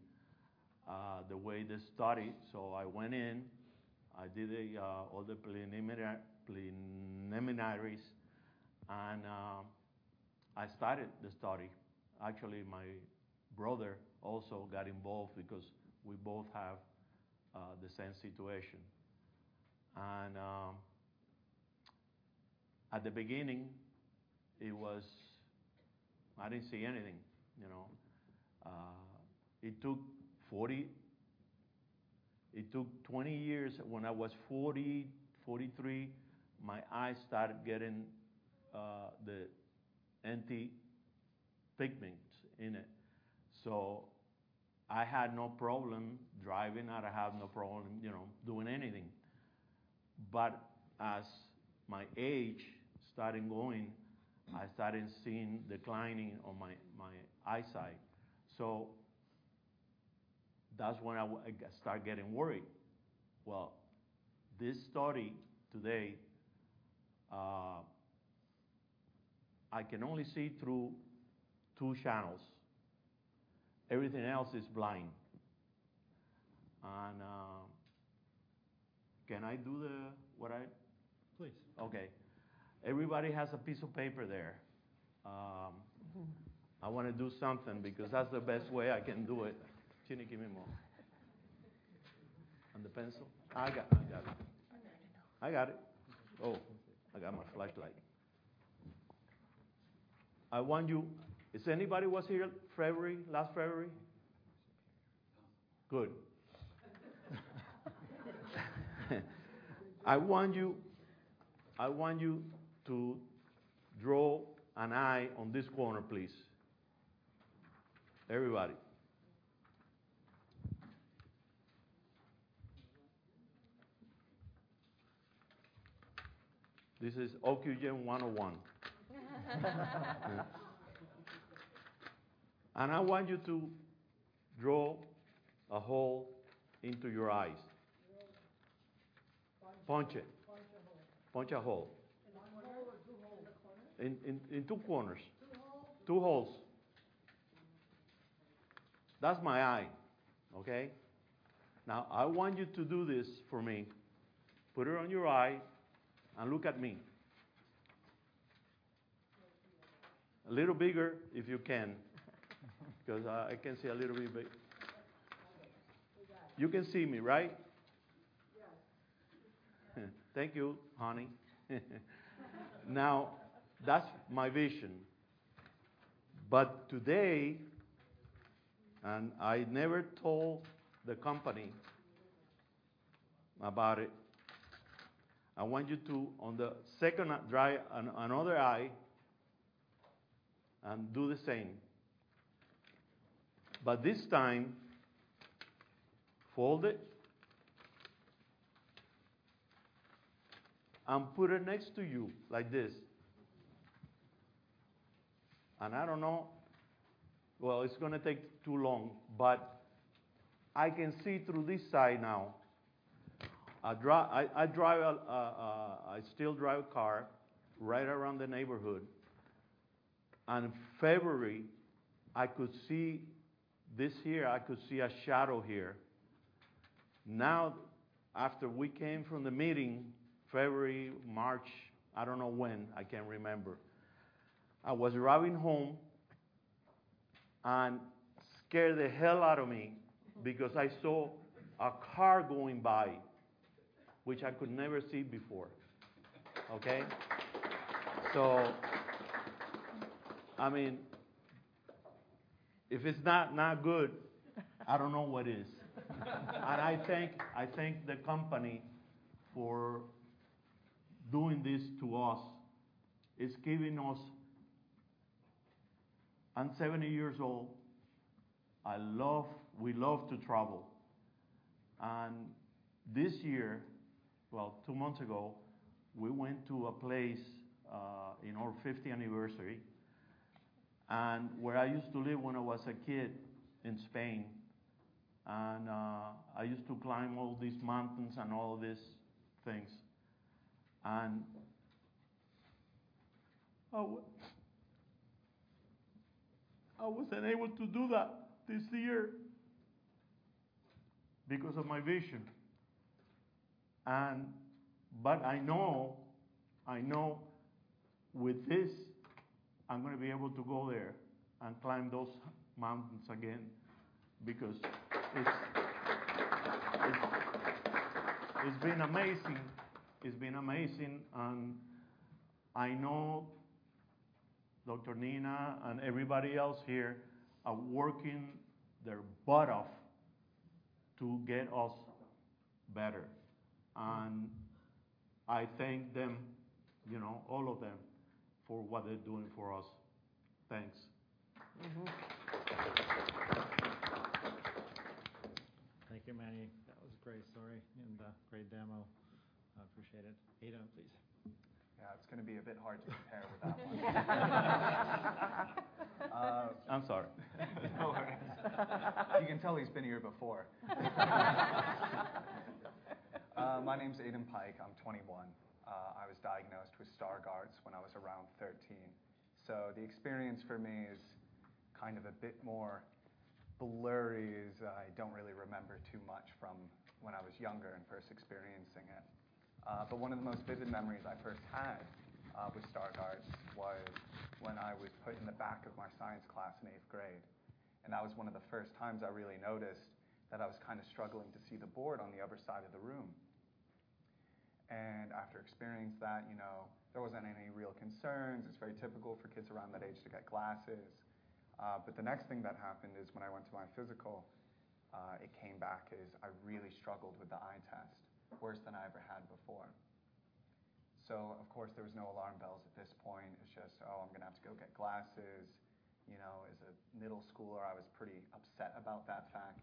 the way the study. So I went in. I did all the preliminaries, and I started the study. Actually, my brother also got involved because we both have the same situation. And at the beginning, it was I didn't see anything, you know? It took 40. It took 20 years. When I was 40, 43, my eyes started getting the and the pigments in it. So I had no problem driving. I'd have no problem, you know, doing anything. But as my age started going, I started seeing declining on my eyesight. So that's when I started getting worried. Well, this study today, I can only see through two channels. Everything else is blind. And, can I do the what I? Please. Okay. Everybody has a piece of paper there. I wanna do something because that's the best way I can do it. Can you give me more? And the pencil? I got it. Oh, I got my flashlight. I want you if anybody was here last February? Good. I want you to draw an eye on this corner, please. Everybody. This is Ocugen 101. And I want you to draw a hole into your eyes. Punch it. Punch a hole. In one corner or two holes? In the corner? In two corners. Two holes? That's my eye, okay? Now, I want you to do this for me. Put it on your eye and look at me. A little bigger if you can because I can see a little bit big. You can see me, right? Yes. Thank you, honey. Now, that's my vision. Today, I never told the company about it. I want you to, on the second, another eye and do the same. This time, fold it and put it next to you like this. I don't know, it's gonna take too long, but I can see through this side now. I drive. I still drive a car right around the neighborhood. February, I could see this year. I could see a shadow here. Now, after we came from the meeting, February, March, I don't know when. I can't remember. I was driving home, and scared the hell out of me because I saw a car going by, which I could never see before, okay? So, I mean, if it's not good, I don't know what it is. I thank the company for doing this to us. It's giving us. I'm 70 years old. We love to travel. This year, two months ago, we went to a place in our 50th anniversary and where I used to live when I was a kid in Spain. I used to climb all these mountains and all these things. I wasn't able to do that this year because of my vision. But I know with this, I'm gonna be able to go there and climb those mountains again because it's been amazing. It's been amazing. And I know Dr. Neena and everybody else here are working their butt off to get us better. And I thank them, you know, all of them, for what they're doing for us. Thanks. Thank you, Manny. That was great story. And great demo. I appreciate it. Adam, please. Yeah, it's gonna be a bit hard to prepare with that one. I'm sorry. No worries. You can tell he's been here before. My name's Adam Pike. I'm 21. I was diagnosed with Stargardt's when I was around 13. So the experience for me is kind of a bit more blurry as I don't really remember too much from when I was younger and first experiencing it. But one of the most vivid memories I first had with Stargardt's was when I was put in the back of my science class in eighth grade. That was one of the first times I really noticed that I was kinda struggling to see the board on the other side of the room. After experiencing that, you know, there wasn't any real concerns. It's very typical for kids around that age to get glasses. But the next thing that happened is when I went to my physical, it came back as I really struggled with the eye test, worse than I ever had before. So, of course, there was no alarm bells at this point. It's just, "Oh, I'm gonna have to go get glasses." You know, as a middle schooler, I was pretty upset about that fact.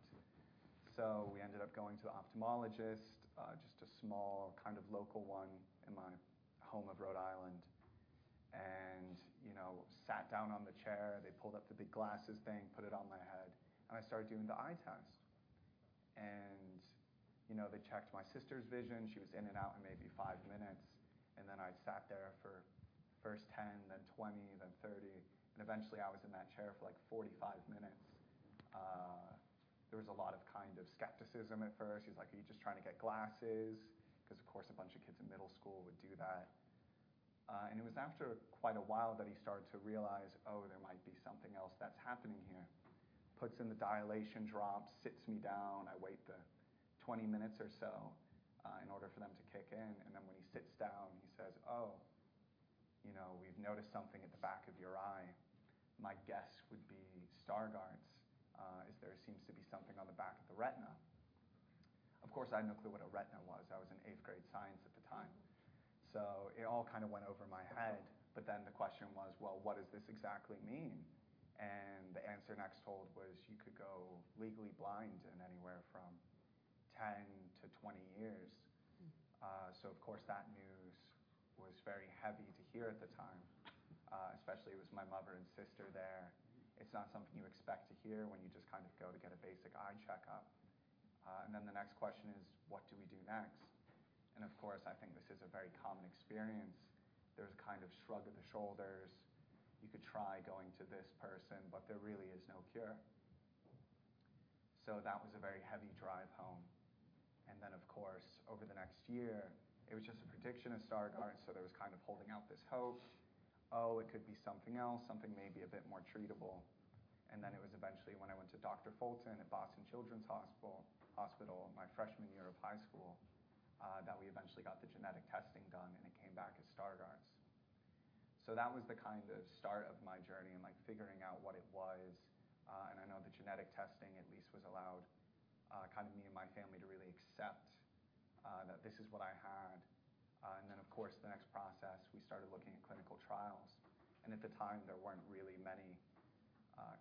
So we ended up going to the ophthalmologist, just a small kind of local one in my home of Rhode Island, and, you know, sat down on the chair. They pulled up the big glasses thing, put it on my head, and I started doing the eye test. And, you know, they checked my sister's vision. She was in and out in maybe five minutes. And then I sat there for first 10, then 20, then 30. And eventually, I was in that chair for like 45 minutes. There was a lot of kind of skepticism at first. He's like, "Are you just trying to get glasses?" 'Cause, of course, a bunch of kids in middle school would do that. And it was after quite a while that he started to realize, "Oh, there might be something else that's happening here." Puts in the dilation drops, sits me down. I wait the 20 minutes or so, in order for them to kick in. And then when he sits down, he says, "Oh, you know, we've noticed something at the back of your eye." "My guess would be Stargardt's. There seems to be something on the back of the retina." Of course, I had no clue what a retina was. I was in eighth grade science at the time. So it all kinda went over my head. But then the question was, "Well, what does this exactly mean?" And the answer he told was you could go legally blind in anywhere from 10 to 20 years. So, of course, that news was very heavy to hear at the time, especially with my mother and sister there. It's not something you expect to hear when you just kind of go to get a basic eye checkup. Then the next question is, "What do we do next?" And, of course, I think this is a very common experience. There was kind of a shrug of the shoulders. You could try going to this person, but there really is no cure. So that was a very heavy drive home. And then, of course, over the next year, it was just a prediction of Stargardt's. So there was kind of holding out this hope, "Oh, it could be something else, something maybe a bit more treatable." And then it was eventually when I went to Dr. Fulton at Boston Children's Hospital my freshman year of high school, that we eventually got the genetic testing done, and it came back as Stargardt's. So that was the kind of start of my journey in, like, figuring out what it was. And I know the genetic testing at least was allowed kind of me and my family to really accept that this is what I had. And then, of course, the next process, we started looking at clinical trials. And at the time, there weren't really many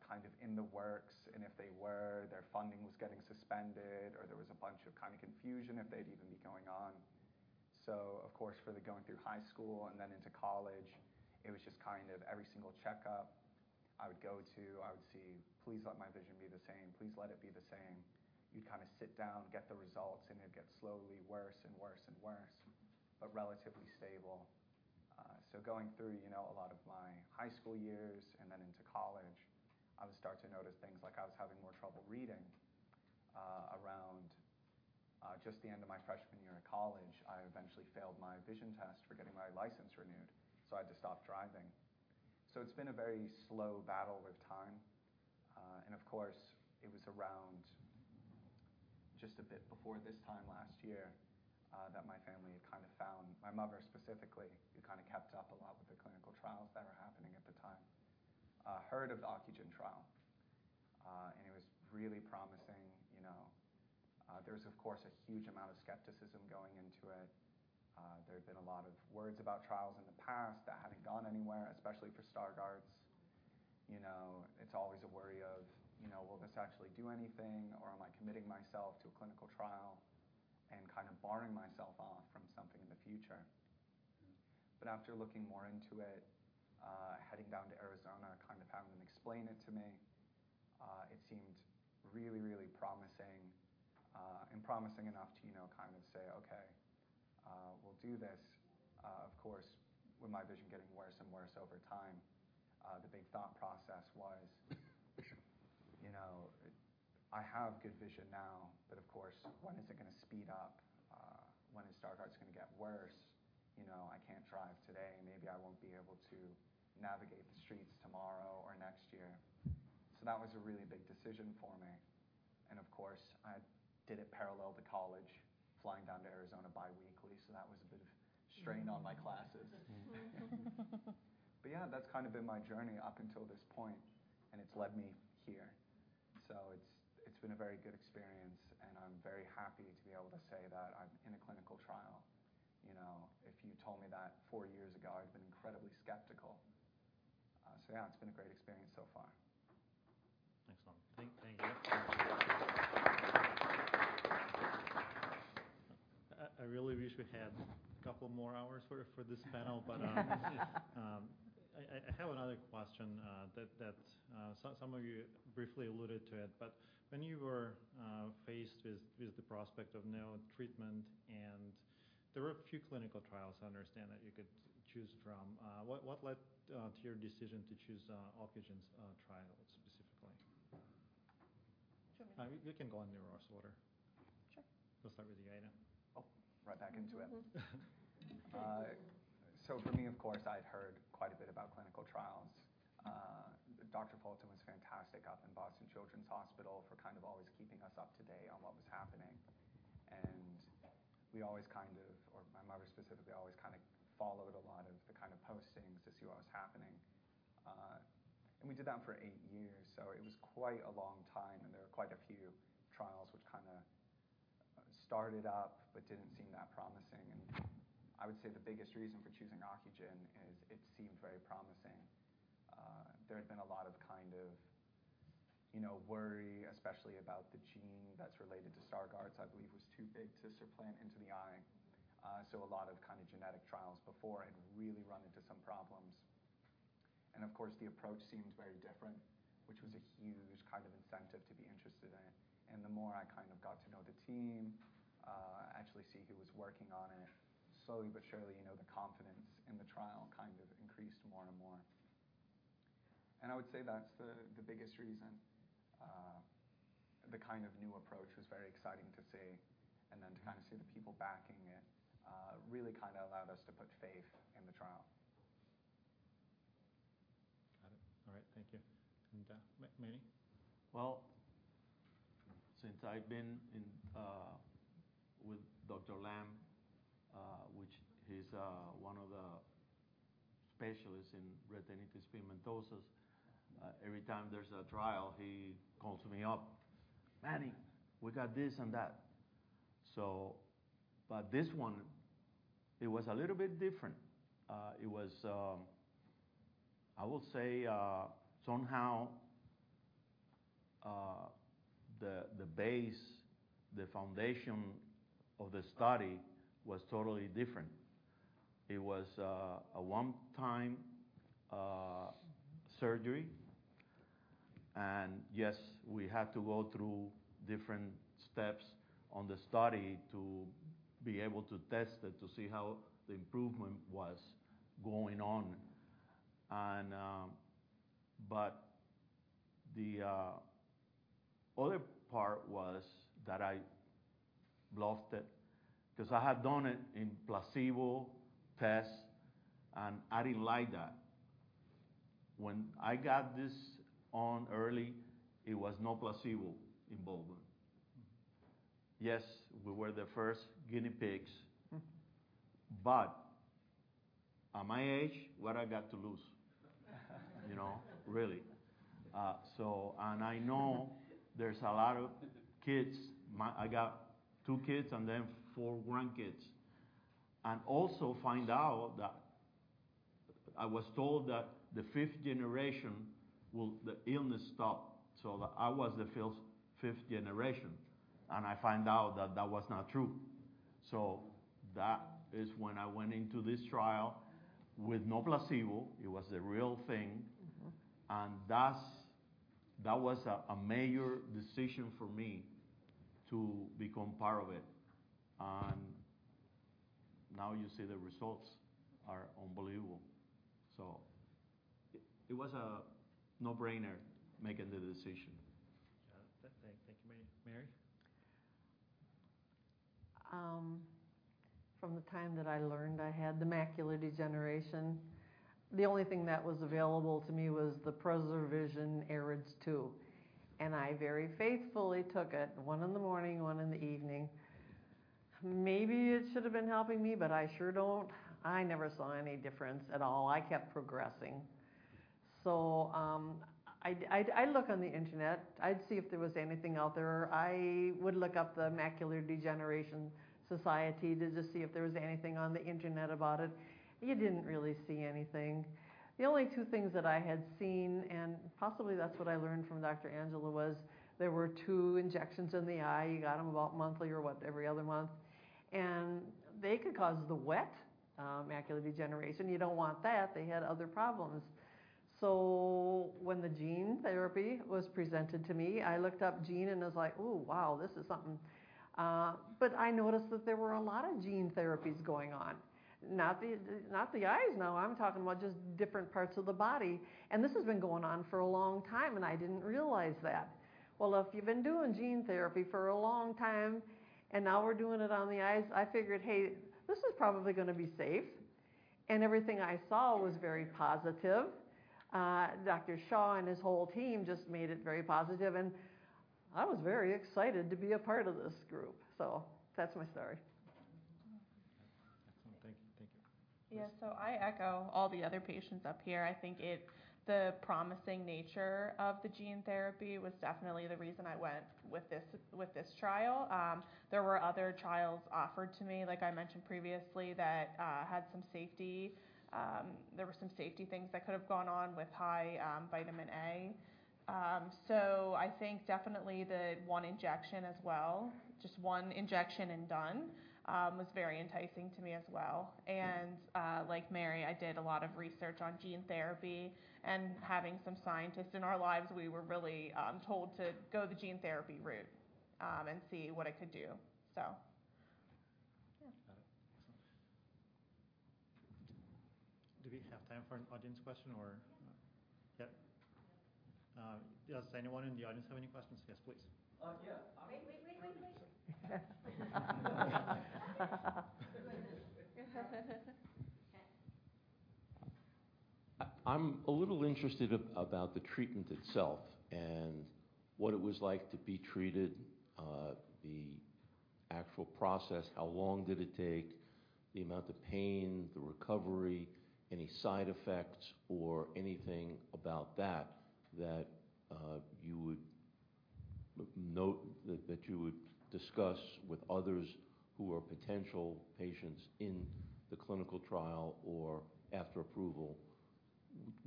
kind of in the works. And if they were, their funding was getting suspended, or there was a bunch of kinda confusion if they'd even be going on. So, of course, for the going through high school and then into college, it was just kind of every single checkup I would go to, I would see, "Please let my vision be the same. Please let it be the same." You'd kinda sit down, get the results, and it'd get slowly worse and worse and worse, but relatively stable. So, going through, you know, a lot of my high school years and then into college, I would start to notice things like I was having more trouble reading around just the end of my freshman year of college. I eventually failed my vision test for getting my license renewed. So I had to stop driving. So it's been a very slow battle with time. And, of course, it was around just a bit before this time last year that my family had kinda found, my mother specifically, who kinda kept up a lot with the clinical trials that were happening at the time, heard of the Ocugen trial. And it was really promising, you know? There was, of course, a huge amount of skepticism going into it. There had been a lot of words about trials in the past that hadn't gone anywhere, especially for Stargardt's. You know, it's always a worry of, you know, will this actually do anything, or am I committing myself to a clinical trial and kinda barring myself off from something in the future? But after looking more into it, heading down to Arizona, kind of having them explain it to me, it seemed really, really promising, and promising enough to, you know, kind of say, "Okay, we'll do this." Of course, with my vision getting worse and worse over time, the big thought process was, you know, "I have good vision now, but, of course, when is it gonna speed up? When is Stargardt's gonna get worse? You know, I can't drive today. Maybe I won't be able to navigate the streets tomorrow or next year." So that was a really big decision for me. And, of course, I did it parallel to college, flying down to Arizona biweekly. So that was a bit of strain on my classes. But, yeah, that's kind of been my journey up until this point, and it's led me here. So it's been a very good experience, and I'm very happy to be able to say that I'm in a clinical trial. You know, if you told me that four years ago, I'd been incredibly skeptical. So, yeah, it's been a great experience so far. Excellent. Thank you. I really wish we had a couple more hours for this panel, but I have another question, that some of you briefly alluded to it. But when you were faced with the prospect of neurotreatment, and there were a few clinical trials, I understand, that you could choose from, what led to your decision to choose Ocugen's trial specifically? You can go in your order. Sure. We'll start with you, Adam. Oh, right back into it. So for me, of course, I'd heard quite a bit about clinical trials. Dr. Fulton was fantastic up in Boston Children's Hospital for kind of always keeping us up to date on what was happening. And we always kind of, or my mother specifically, always kinda followed a lot of the kind of postings to see what was happening. And we did that for eight years. So it was quite a long time, and there were quite a few trials which kinda started up but didn't seem that promising. And I would say the biggest reason for choosing Ocugen is it seemed very promising. There had been a lot of kind of, you know, worry, especially about the gene that's related to Stargardt's, I believe, was too big to supplant into the eye. So a lot of kinda genetic trials before had really run into some problems. And, of course, the approach seemed very different, which was a huge kind of incentive to be interested in it. And the more I kind of got to know the team, actually see who was working on it, slowly but surely, you know, the confidence in the trial kind of increased more and more. And I would say that's the biggest reason. The kind of new approach was very exciting to see. And then to kinda see the people backing it, really kinda allowed us to put faith in the trial. Got it. All right. Thank you. And, Manny? Well, since I've been in, with Dr. Lam, who's one of the specialists in retinitis pigmentosa, every time there's a trial, he calls me up, "Manny, we got this and that." So but this one, it was a little bit different. It was, I will say, somehow, the base, the foundation of the study was totally different. It was a one-time surgery. Yes, we had to go through different steps on the study to be able to test it to see how the improvement was going on. But the other part was that I loved it 'cause I had done it in placebo tests, and I didn't like that. When I got this one early, it was no placebo involvement. Yes, we were the first guinea pigs, but at my age, what I got to lose? You know, really. So and I know there's a lot of kids. I got two kids and then four grandkids. And also find out that I was told that the fifth generation will the illness stop. So that I was the fifth generation, and I find out that that was not true. So that is when I went into this trial with no placebo. It was the real thing. And that was a major decision for me to become part of it. And now you see the results are unbelievable. So it was a no-brainer making the decision. Got it. Thank you, Mary. Mary? From the time that I learned I had the macular degeneration, the only thing that was available to me was the PreserVision AREDS 2. And I very faithfully took it, one in the morning, one in the evening. Maybe it should have been helping me, but I sure don't. I never saw any difference at all. I kept progressing. So, I'd look on the internet. I'd see if there was anything out there. I would look up the Macular Degeneration Society to just see if there was anything on the internet about it. You didn't really see anything. The only two things that I had seen, and possibly that's what I learned from Dr. Angela, was there were two injections in the eye. You got them about monthly or what, every other month. And they could cause the wet macular degeneration. You don't want that. They had other problems. So when the gene therapy was presented to me, I looked up gene and was like, "Ooh, wow, this is something." But I noticed that there were a lot of gene therapies going on. Not the, not the eyes. No, I'm talking about just different parts of the body. And this has been going on for a long time, and I didn't realize that. Well, if you've been doing gene therapy for a long time and now we're doing it on the eyes, I figured, "Hey, this is probably gonna be safe." And everything I saw was very positive. Dr. Shah and his whole team just made it very positive. And I was very excited to be a part of this group. So that's my story. Excellent. Thank you. Thank you. Yeah. So I echo all the other patients up here. I think that the promising nature of the gene therapy was definitely the reason I went with this, with this trial. There were other trials offered to me, like I mentioned previously, that had some safety. There were some safety things that could have gone on with high vitamin A. So I think definitely the one injection as well, just one injection and done, was very enticing to me as well. And, like Mary, I did a lot of research on gene therapy. And having some scientists in our lives, we were really told to go the gene therapy route, and see what it could do. So, yeah. Got it. Excellent. Do we have time for an audience question or? Yeah. Yep. Does anyone in the audience have any questions? Yes, please. Yeah. Wait, wait, wait, wait, wait. I'm a little interested about the treatment itself and what it was like to be treated, the actual process, how long did it take, the amount of pain, the recovery, any side effects, or anything about that you would note that you would discuss with others who are potential patients in the clinical trial or after approval.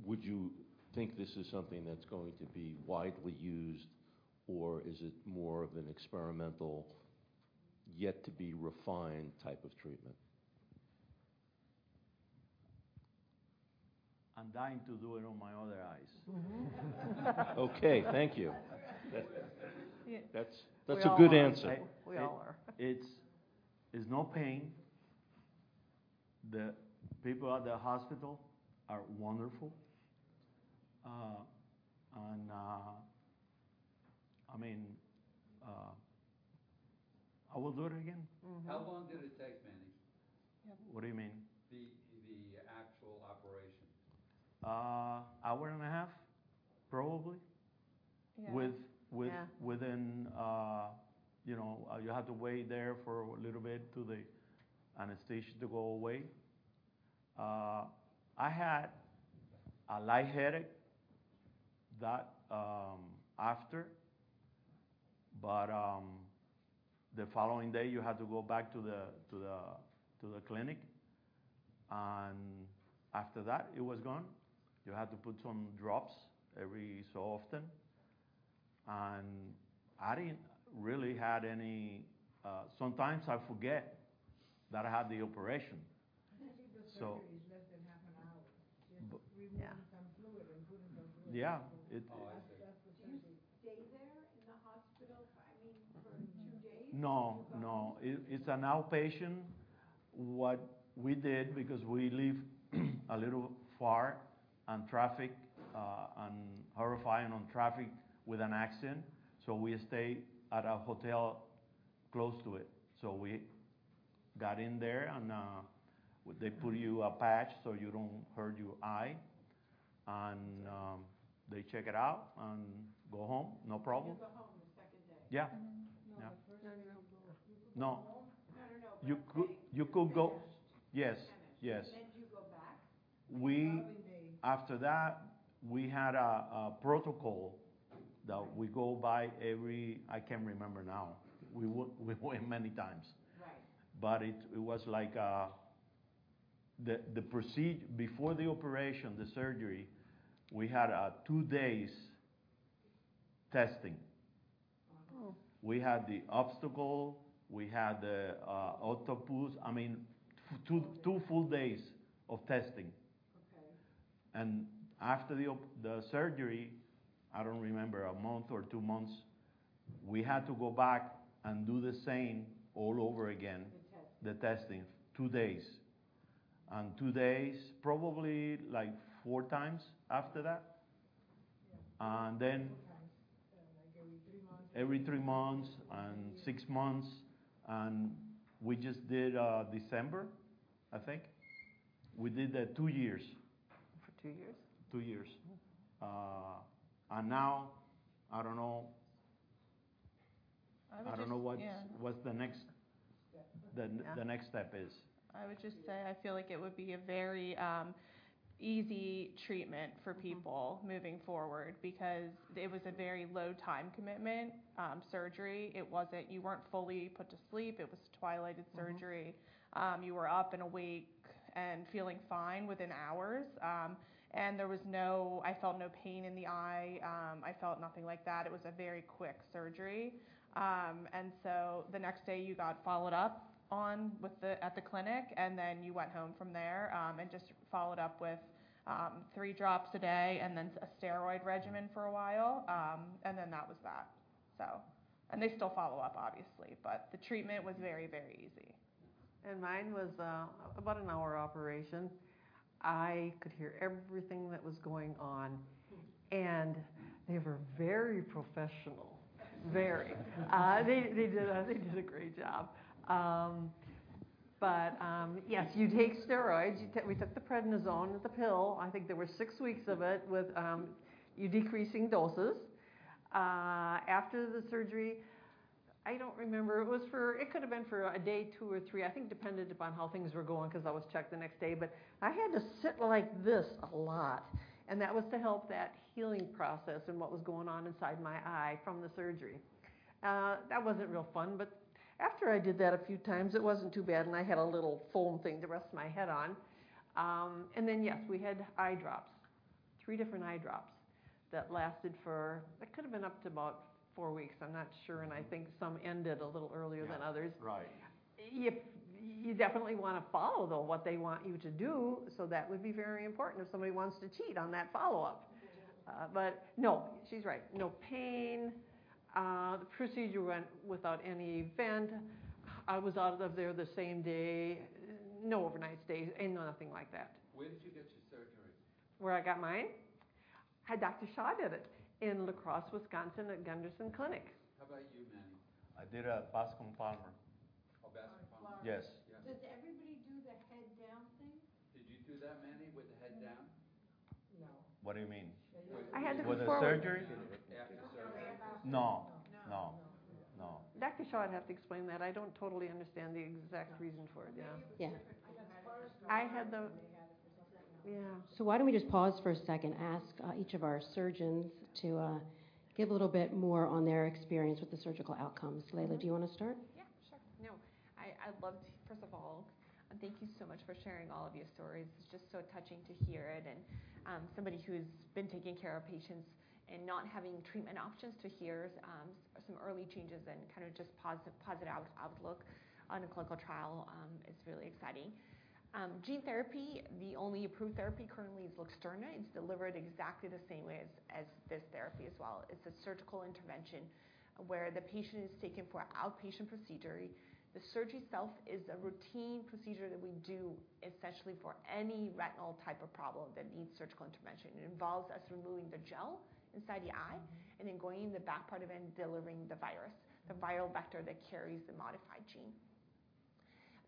Would you think this is something that's going to be widely used, or is it more of an experimental, yet-to-be-refined type of treatment? I'm dying to do it on my other eyes. Okay. Thank you. That's a good answer. We all are. It's no pain. The people at the hospital are wonderful, and I mean, I will do it again. Mm-hmm. How long did it take, Manny? What do you mean? The actual operation. Hour and a half, probably. Within, you know, you have to wait there for a little bit for the anesthesia to go away. I had light headed after that, but the following day, you had to go back to the clinic. After that, it was gone. You had to put some drops every so often. And I didn't really had any. Sometimes I forget that I had the operation. So it was literally less than half an hour. Just removing some fluid and putting some fluid in. Yeah. It's a day there in the hospital? I mean, for two days? No, no. It's an outpatient. What we did, because we live a little far and traffic, and horrifying on traffic with an accident, so we stay at a hotel close to it. So we got in there, and they put you a patch so you don't hurt your eye. And they check it out and go home. No problem. You go home the second day? Yeah. No, the first day you go home. No, no, no. You could go. Yes. Yes. We, after that, we had a protocol that we go by every. I can't remember now. We went many times. Right. But it was like the procedure before the operation, the surgery. We had two days testing. We had the Oculus. We had the Octopus. I mean, two full days of testing. Okay. And after the surgery, I don't remember, a month or two months, we had to go back and do the same all over again. The testing. The testing. Two days. Two days, probably like 4x after that. Then 4x, like every three months. Every three months and six months. We just did December, I think. We did the two years. For two years? Two years. Now, I don't know. I would just say, yeah. I don't know what's the next, the next step is. I would just say I feel like it would be a very easy treatment for people moving forward because it was a very low-time commitment surgery. It wasn't you weren't fully put to sleep. It was a twilighted surgery. You were up and awake and feeling fine within hours. There was no I felt no pain in the eye. I felt nothing like that. It was a very quick surgery. So the next day, you got followed up on at the clinic, and then you went home from there, and just followed up with three drops a day and then a steroid regimen for a while. Then that was that. They still follow up, obviously, but the treatment was very, very easy. Mine was about an hour operation. I could hear everything that was going on. They were very professional. Very. They did a great job. But yes, you take steroids. We took the Prednisone, the pill. I think there were six weeks of it with decreasing doses. After the surgery, I don't remember. It could have been for a day, two or three. I think it depended upon how things were going because I was checked the next day. But I had to sit like this a lot. And that was to help that healing process and what was going on inside my eye from the surgery. That wasn't real fun, but after I did that a few times, it wasn't too bad. And I had a little foam thing to rest my head on. And then, yes, we had eye drops. Three different eye drops that lasted for it could have been up to about four weeks. I'm not sure. And I think some ended a little earlier than others. Yep. You definitely wanna follow, though, what they want you to do. So that would be very important if somebody wants to cheat on that follow-up. But no, she's right. No pain. The procedure went without any event. I was out of there the same day. No overnight stays and nothing like that. Where did you get your surgery? Where I got mine? At Dr. Shah did it in La Crosse, Wisconsin, at Gundersen Clinic. How about you, Manny? I did at Bascom Palmer. Oh, Bascom Palmer. Yes. Yes. Does everybody do the head-down thing? Did you do that, Manny, with the head down? What do you mean? After the surgery? No. No. No. No. Dr. Shah, I'd have to explain that. I don't totally understand the exact reason for it. Yeah. Yeah. I had the yeah. So why don't we just pause for a second, ask each of our surgeons to give a little bit more on their experience with the surgical outcomes. Lejla, do you wanna start? Yeah. Sure. No. I, I'd love to first of all thank you so much for sharing all of your stories. It's just so touching to hear it. Somebody who's been taking care of patients and not having treatment options to hear some early changes and kind of just positive outlook on a clinical trial is really exciting. Gene therapy, the only approved therapy currently is Luxturna. It's delivered exactly the same way as this therapy as well. It's a surgical intervention where the patient is taken for outpatient procedure. The surgery itself is a routine procedure that we do essentially for any retinal type of problem that needs surgical intervention. It involves us removing the gel inside the eye and then going in the back part of it and delivering the virus, the viral vector that carries the modified gene.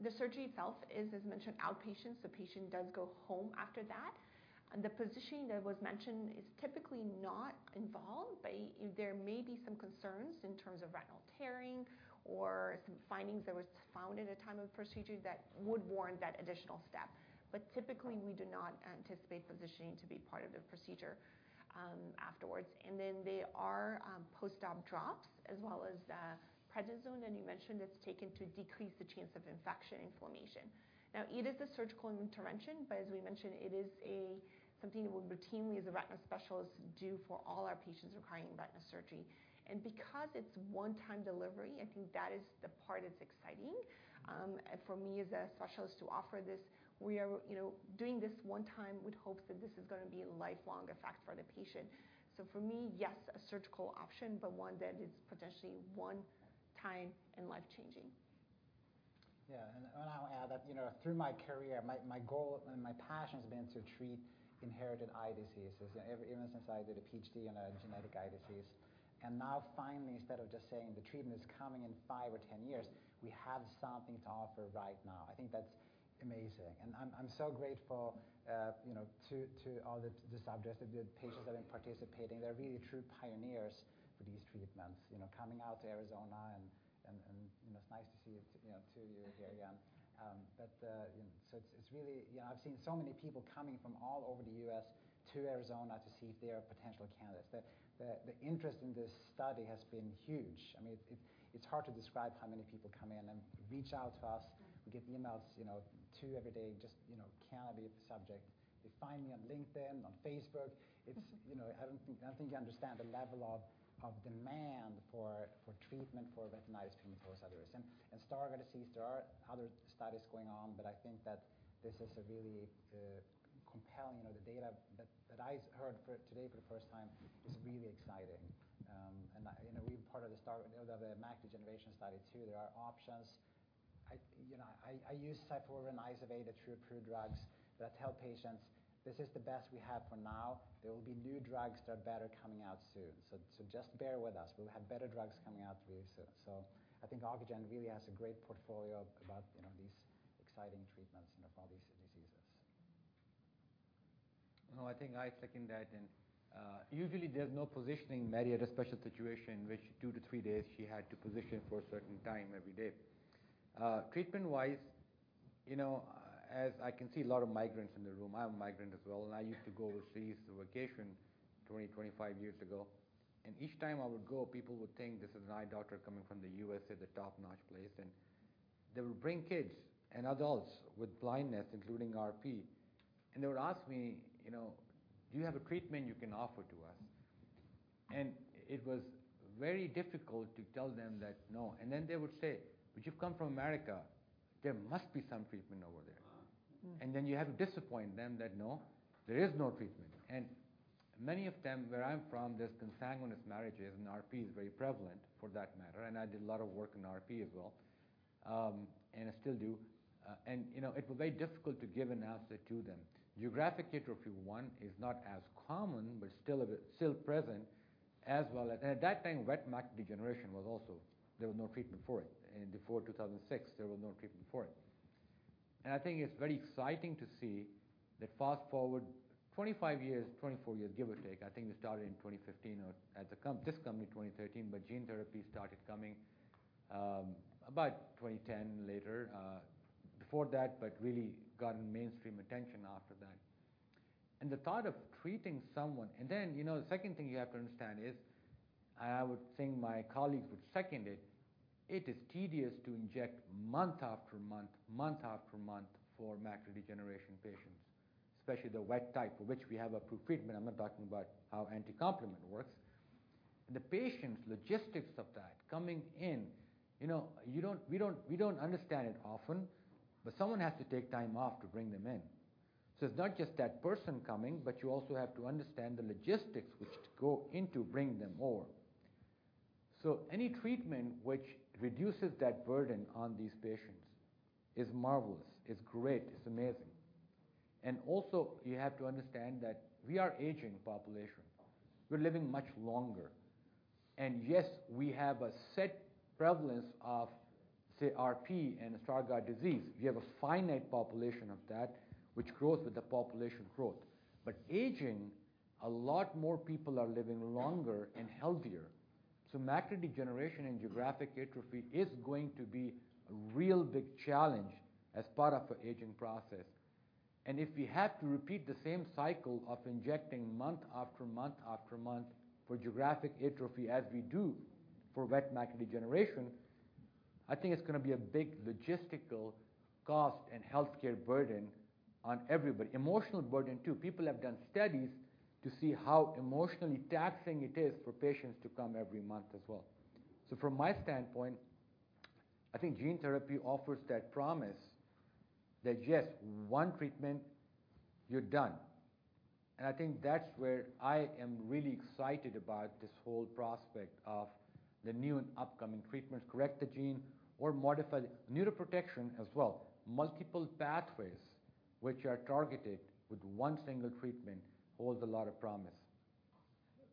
The surgery itself is, as mentioned, outpatient. So patient does go home after that. The positioning that was mentioned is typically not involved, but there may be some concerns in terms of retinal tearing or some findings that were found at the time of the procedure that would warrant that additional step. Typically, we do not anticipate positioning to be part of the procedure afterwards. Then there are post-op drops as well as prednisone that you mentioned that's taken to decrease the chance of infection and inflammation. Now, it is a surgical intervention, but as we mentioned, it is something that we routinely, as a retina specialist, do for all our patients requiring retina surgery. Because it's one-time delivery, I think that is the part that's exciting for me as a specialist to offer this. We are, you know, doing this one time with hopes that this is gonna be a lifelong effect for the patient. So for me, yes, a surgical option, but one that is potentially one-time and life-changing. Yeah. And I'll add that, you know, through my career, my goal and my passion has been to treat inherited eye diseases, you know, even since I did a PhD on genetic eye disease. And now, finally, instead of just saying the treatment is coming in five or 10 years, we have something to offer right now. I think that's amazing. And I'm so grateful, you know, to all the subjects, the patients that have been participating. They're really true pioneers for these treatments, you know, coming out to Arizona and, you know, it's nice to see you here again. But, you know, so it's really, you know, I've seen so many people coming from all over the U.S. to Arizona to see if they are potential candidates. The interest in this study has been huge. I mean, it's hard to describe how many people come in and reach out to us. We get emails, you know, two every day, just, you know, cannot be a subject. They find me on LinkedIn, on Facebook. It's, you know, I don't think you understand the level of demand for treatment for retinitis pigmentosa and Stargardt disease. There are other studies going on, but I think that this is really compelling, you know, the data that I heard today for the first time is really exciting. And I, you know, we're part of the Stargardt macular degeneration study too. There are options. I, you know, use Syfovre and Izervay. Those are approved drugs that I tell patients, "This is the best we have for now. There will be new drugs that are better coming out soon." So just bear with us. We'll have better drugs coming out really soon. So I think Ocugen really has a great portfolio about, you know, these exciting treatments, you know, for all these diseases. No, I think I second that. And usually, there's no positioning in Mary, at a special situation in which two to three days, she had to position for a certain time every day. Treatment-wise, you know, as I can see a lot of migrants in the room. I'm a migrant as well. I used to go overseas on vacation 20, 25 years ago. Each time I would go, people would think this is an eye doctor coming from the U.S. at the top-notch place. They would bring kids and adults with blindness, including RP. They would ask me, you know, "Do you have a treatment you can offer to us?" It was very difficult to tell them that no. Then they would say, "Would you come from America? There must be some treatment over there." Then you have to disappoint them that no, there is no treatment. Many of them, where I'm from, there's consanguineous marriages, and RP is very prevalent for that matter. I did a lot of work in RP as well, and I still do. You know, it was very difficult to give an answer to them. Geographic atrophy, one, is not as common, but still a bit present as well. At that time, wet macular degeneration was also. There was no treatment for it. Before 2006, there was no treatment for it. I think it's very exciting to see that fast forward 25 years, 24 years, give or take. I think we started in 2015 or at the com this come in 2013, but gene therapy started coming about 2010, but really gotten mainstream attention after that. The thought of treating someone and then, you know, the second thing you have to understand is, and I would think my colleagues would second it, it is tedious to inject month after month, month after month for macular degeneration patients, especially the wet type, for which we have approved treatment. I'm not talking about how anti-complement works. The patient's logistics of that coming in, you know, you don't, we don't understand it often, but someone has to take time off to bring them in. So it's not just that person coming, but you also have to understand the logistics which go into bringing them more. So any treatment which reduces that burden on these patients is marvelous. It's great. It's amazing. And also, you have to understand that we are aging population. We're living much longer. And yes, we have a set prevalence of, say, RP and Stargardt disease. We have a finite population of that which grows with the population growth. But aging, a lot more people are living longer and healthier. So macular degeneration and geographic atrophy is going to be a real big challenge as part of our aging process. If we have to repeat the same cycle of injecting month after month after month for geographic atrophy as we do for wet macular degeneration, I think it's gonna be a big logistical cost and healthcare burden on everybody. Emotional burden too. People have done studies to see how emotionally taxing it is for patients to come every month as well. From my standpoint, I think gene therapy offers that promise that, yes, one treatment, you're done. And I think that's where I am really excited about this whole prospect of the new and upcoming treatments, correct the gene or modify neuroprotection as well. Multiple pathways which are targeted with one single treatment hold a lot of promise.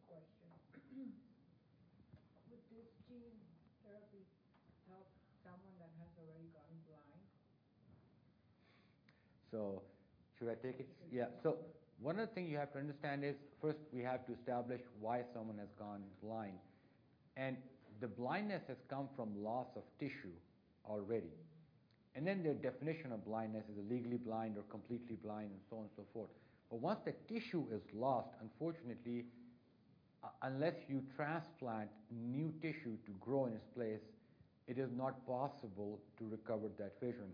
Question. Would this gene therapy help someone that has already gone blind? So should I take it? Yeah. One of the things you have to understand is, first, we have to establish why someone has gone blind. The blindness has come from loss of tissue already. Then the definition of blindness is legally blind or completely blind and so on and so forth. Once the tissue is lost, unfortunately, unless you transplant new tissue to grow in its place, it is not possible to recover that vision.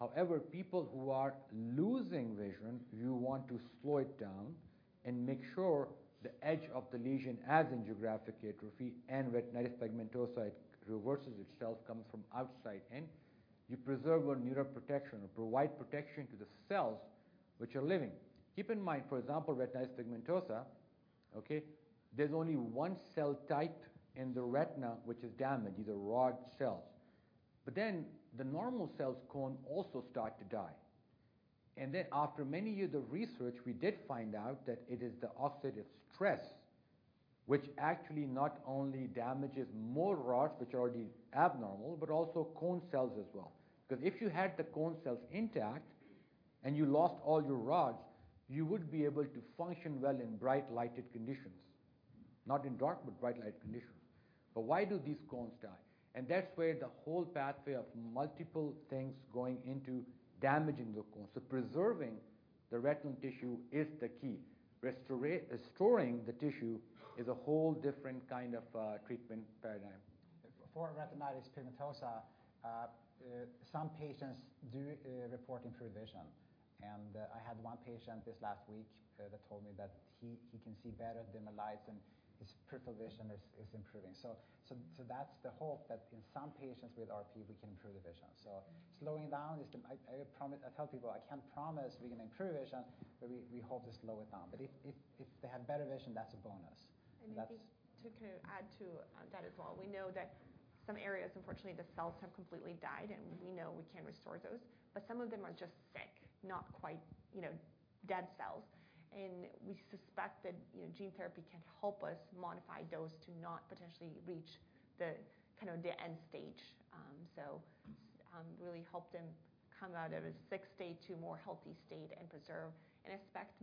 However, people who are losing vision, you want to slow it down and make sure the edge of the lesion, as in geographic atrophy and retinitis pigmentosa that reverses itself, comes from outside in. You preserve a neuroprotection or provide protection to the cells which are living. Keep in mind, for example, retinitis pigmentosa, okay, there's only one cell type in the retina which is damaged, either rod cells. But then the normal cells' cone also start to die, and then after many years of research, we did find out that it is the oxidative stress which actually not only damages more rods which are already abnormal, but also cone cells as well. Because if you had the cone cells intact and you lost all your rods, you would be able to function well in bright lighted conditions, not in dark, but bright light conditions. But why do these cones die? And that's where the whole pathway of multiple things going into damaging the cone. So preserving the retinal tissue is the key. Restoring the tissue is a whole different kind of treatment paradigm. For retinitis pigmentosa, some patients do report improved vision. I had one patient this last week that told me that he can see better than the lights, and his peripheral vision is improving. So that's the hope that in some patients with RP, we can improve the vision. So slowing down is the promise I tell people, "I can't promise we can improve vision, but we hope to slow it down." But if they have better vision, that's a bonus. I mean, just to kind of add to that as well. We know that some areas, unfortunately, the cells have completely died, and we know we can't restore those. But some of them are just sick, not quite, you know, dead cells. And we suspect that, you know, gene therapy can help us modify those to not potentially reach the kind of end stage. So, really help them come out of a sick state to a more healthy state and preserve. I suspect,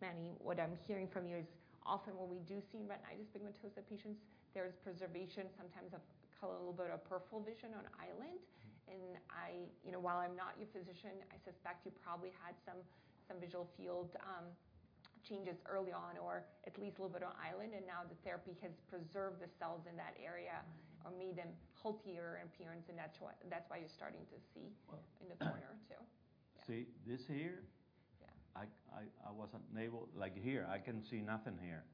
Manny, what I'm hearing from you is often when we do see retinitis pigmentosa patients, there is preservation sometimes of a little bit of peripheral vision an island. And I, you know, while I'm not your physician, I suspect you probably had some visual field changes early on or at least a little bit an island. And now the therapy has preserved the cells in that area or made them healthier in appearance. And that's why you're starting to see in the corner too. Yeah. See, this here. Yeah. I wasn't able like here. I can see nothing here.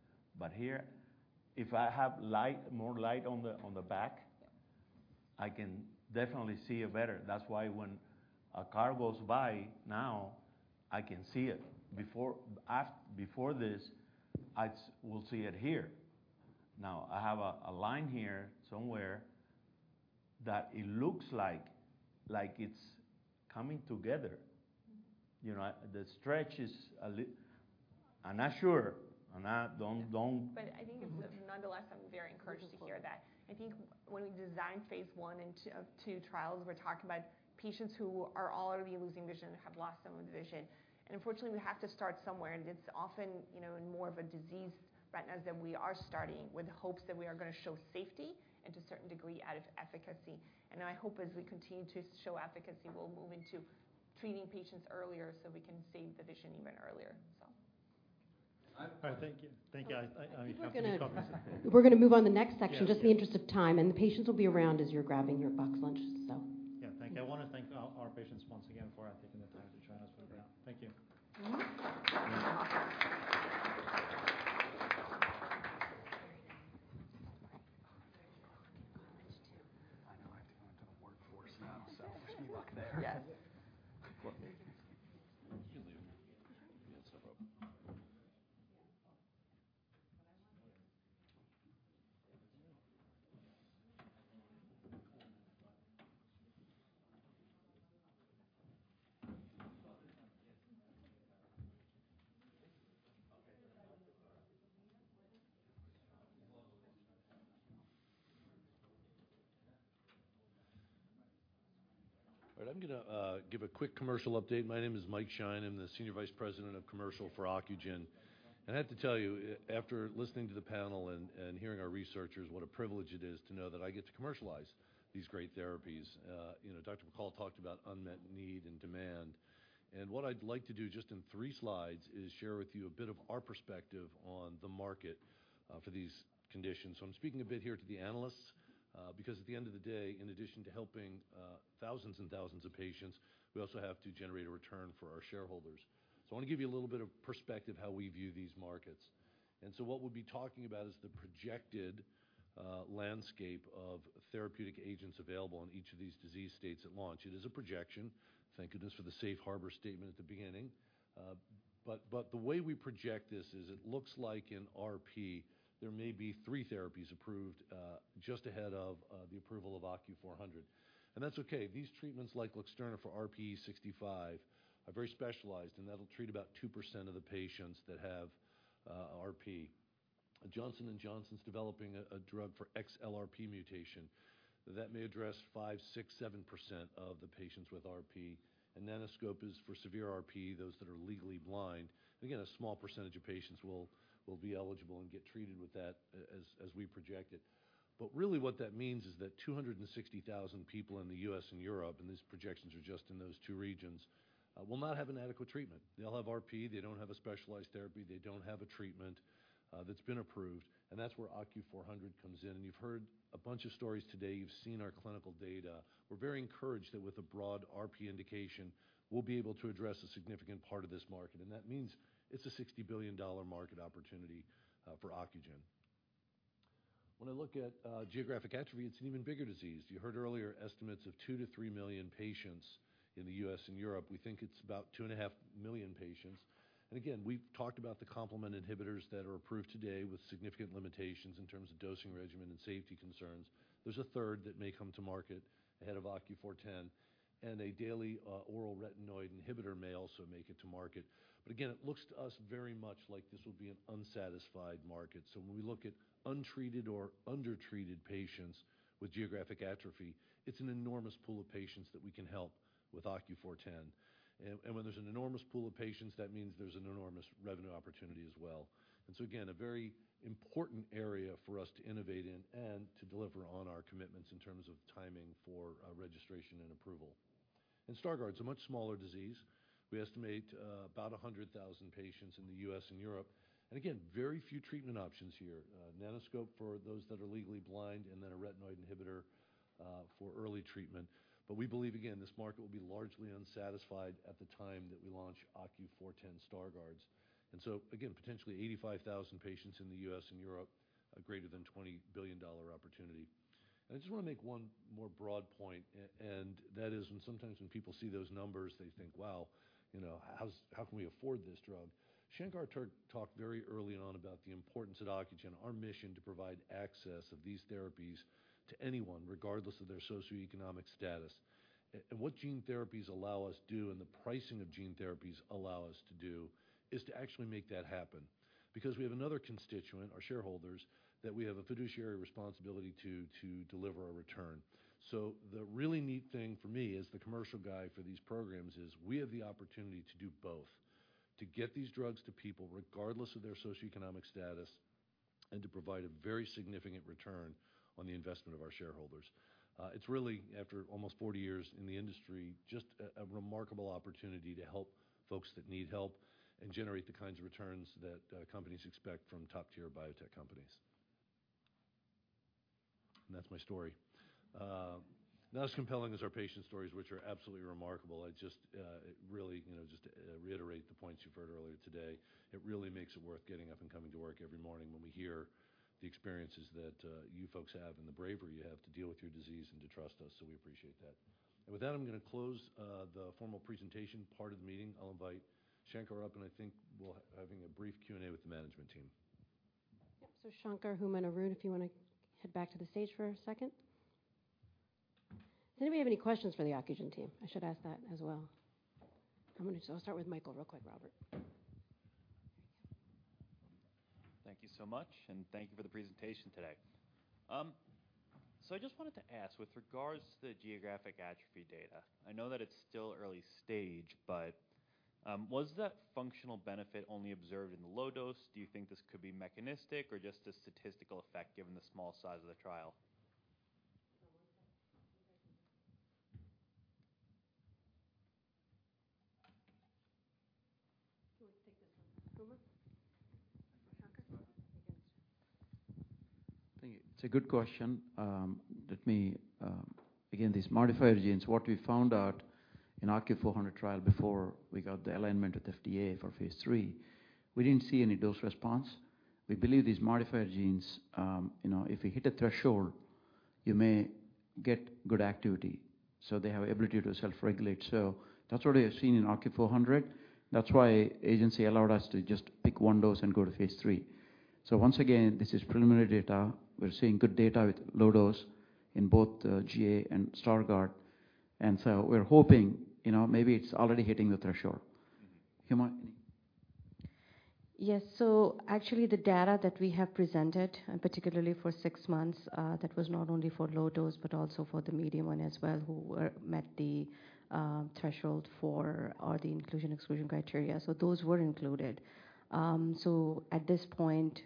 But here, if I have light, more light on the back, I can definitely see it better. That's why when a car goes by now, I can see it. Before this, I will see it here. Now, I have a line here somewhere that it looks like it's coming together. You know, the stretch is a little. I'm not sure. Don't. But I think nonetheless, I'm very encouraged to hear that. I think when we designed phase I and II of two trials, we're talking about patients who are already losing vision and have lost some of the vision. Unfortunately, we have to start somewhere. It's often, you know, in more of a diseased retinas than we are starting with hopes that we are gonna show safety and to a certain degree of efficacy. And then I hope as we continue to show efficacy, we'll move into treating patients earlier so we can save the vision even earlier, so. All right. Thank you. Thank you. I mean, we're gonna move on to the next section just in the interest of time. And the patients will be around as you're grabbing your box lunch, so. Yeah. Thank you. I wanna thank our patients once again for taking the time to join us for the. Thank you. I know I have to go into the workforce now, so let me look there. Yes. All right. I'm gonna give a quick commercial update. My name is Mike Shine. I'm the Senior Vice President of Commercial for Ocugen. And I have to tell you, after listening to the panel and hearing our researchers, what a privilege it is to know that I get to commercialize these great therapies. You know, Dr. McCall talked about unmet need and demand. And what I'd like to do just in three slides is share with you a bit of our perspective on the market for these conditions. So I'm speaking a bit here to the analysts, because at the end of the day, in addition to helping thousands and thousands of patients, we also have to generate a return for our shareholders. So I wanna give you a little bit of perspective how we view these markets. And so what we'll be talking about is the projected landscape of therapeutic agents available on each of these disease states at launch. It is a projection. Thank goodness for the safe harbor statement at the beginning, but the way we project this is it looks like in RP there may be three therapies approved just ahead of the approval of OCU400, and that's okay. These treatments like Luxturna for RPE65 are very specialized, and that'll treat about 2% of the patients that have RP. Johnson & Johnson's developing a drug for XLRP mutation that may address 5-7% of the patients with RP, then Nanoscope is for severe RP, those that are legally blind. Again, a small percentage of patients will be eligible and get treated with that as we project it, but really what that means is that 260,000 people in the US and Europe, and these projections are just in those two regions, will not have an adequate treatment. They'll have RP. They don't have a specialized therapy. They don't have a treatment that's been approved. And that's where OCU400 comes in. And you've heard a bunch of stories today. You've seen our clinical data. We're very encouraged that with a broad RP indication, we'll be able to address a significant part of this market. And that means it's a $60 billion market opportunity for Ocugen. When I look at geographic atrophy, it's an even bigger disease. You heard earlier estimates of 2 million-3 million patients in the U.S. and Europe. We think it's about 2 and a half million patients. And again, we've talked about the complement inhibitors that are approved today with significant limitations in terms of dosing regimen and safety concerns. There's a third that may come to market ahead of OCU410. And a daily, oral retinoid inhibitor may also make it to market. But again, it looks to us very much like this will be an unsatisfied market. So when we look at untreated or undertreated patients with geographic atrophy, it's an enormous pool of patients that we can help with OCU410. And when there's an enormous pool of patients, that means there's an enormous revenue opportunity as well. And so again, a very important area for us to innovate in and to deliver on our commitments in terms of timing for registration and approval. And Stargardt's a much smaller disease. We estimate about 100,000 patients in the U.S. and Europe. And again, very few treatment options here. Nanoscope for those that are legally blind and then a retinoid inhibitor for early treatment. But we believe again, this market will be largely unsatisfied at the time that we launch OCU410ST. And so again, potentially 85,000 patients in the US and Europe, a greater than $20 billion opportunity. And I just wanna make one more broad point. And that is when sometimes when people see those numbers, they think, "Wow, you know, how can we afford this drug?" Shankar talked very early on about the importance of Ocugen, our mission to provide access to these therapies to anyone regardless of their socioeconomic status. And what gene therapies allow us to do and the pricing of gene therapies allow us to do is to actually make that happen. Because we have another constituent, our shareholders, that we have a fiduciary responsibility to deliver a return. So the really neat thing for me as the commercial guy for these programs is we have the opportunity to do both, to get these drugs to people regardless of their socioeconomic status and to provide a very significant return on the investment of our shareholders. It's really, after almost 40 years in the industry, just a remarkable opportunity to help folks that need help and generate the kinds of returns that companies expect from top-tier biotech companies. And that's my story. Not as compelling as our patient stories, which are absolutely remarkable. I just really, you know, just reiterate the points you've heard earlier today. It really makes it worth getting up and coming to work every morning when we hear the experiences that you folks have and the bravery you have to deal with your disease and to trust us. So we appreciate that. And with that, I'm gonna close the formal presentation part of the meeting. I'll invite Shankar up, and I think we'll have a brief Q&A with the management team. So Shankar, Huma and Arun, if you wanna head back to the stage for a second. Does anybody have any questions for the Ocugen team? I should ask that as well. I'm gonna just start with Michael real quick, Robert. Thank you so much. And thank you for the presentation today. So I just wanted to ask with regards to the geographic atrophy data. I know that it's still early stage, but was that functional benefit only observed in the low dose? Do you think this could be mechanistic or just a statistical effect given the small size of the trial? Who would take this one? Huma? Shankar? Thanks. Thank you. It's a good question. Let me, again, these modifier genes, what we found out in OCU400 trial before we got the alignment with FDA for phase III, we didn't see any dose response. We believe these modifier genes, you know, if you hit a threshold, you may get good activity. So they have ability to self-regulate. So that's what we have seen in OCU400. That's why agency allowed us to just pick one dose and go to phase III. So once again, this is preliminary data. We're seeing good data with low dose in both, GA and Stargardt. And so we're hoping, you know, maybe it's already hitting the threshold. Huma, any? Yes. So actually the data that we have presented, and particularly for six months, that was not only for low dose but also for the medium one as well who were met the, threshold for or the inclusion-exclusion criteria. So those were included. So at this point,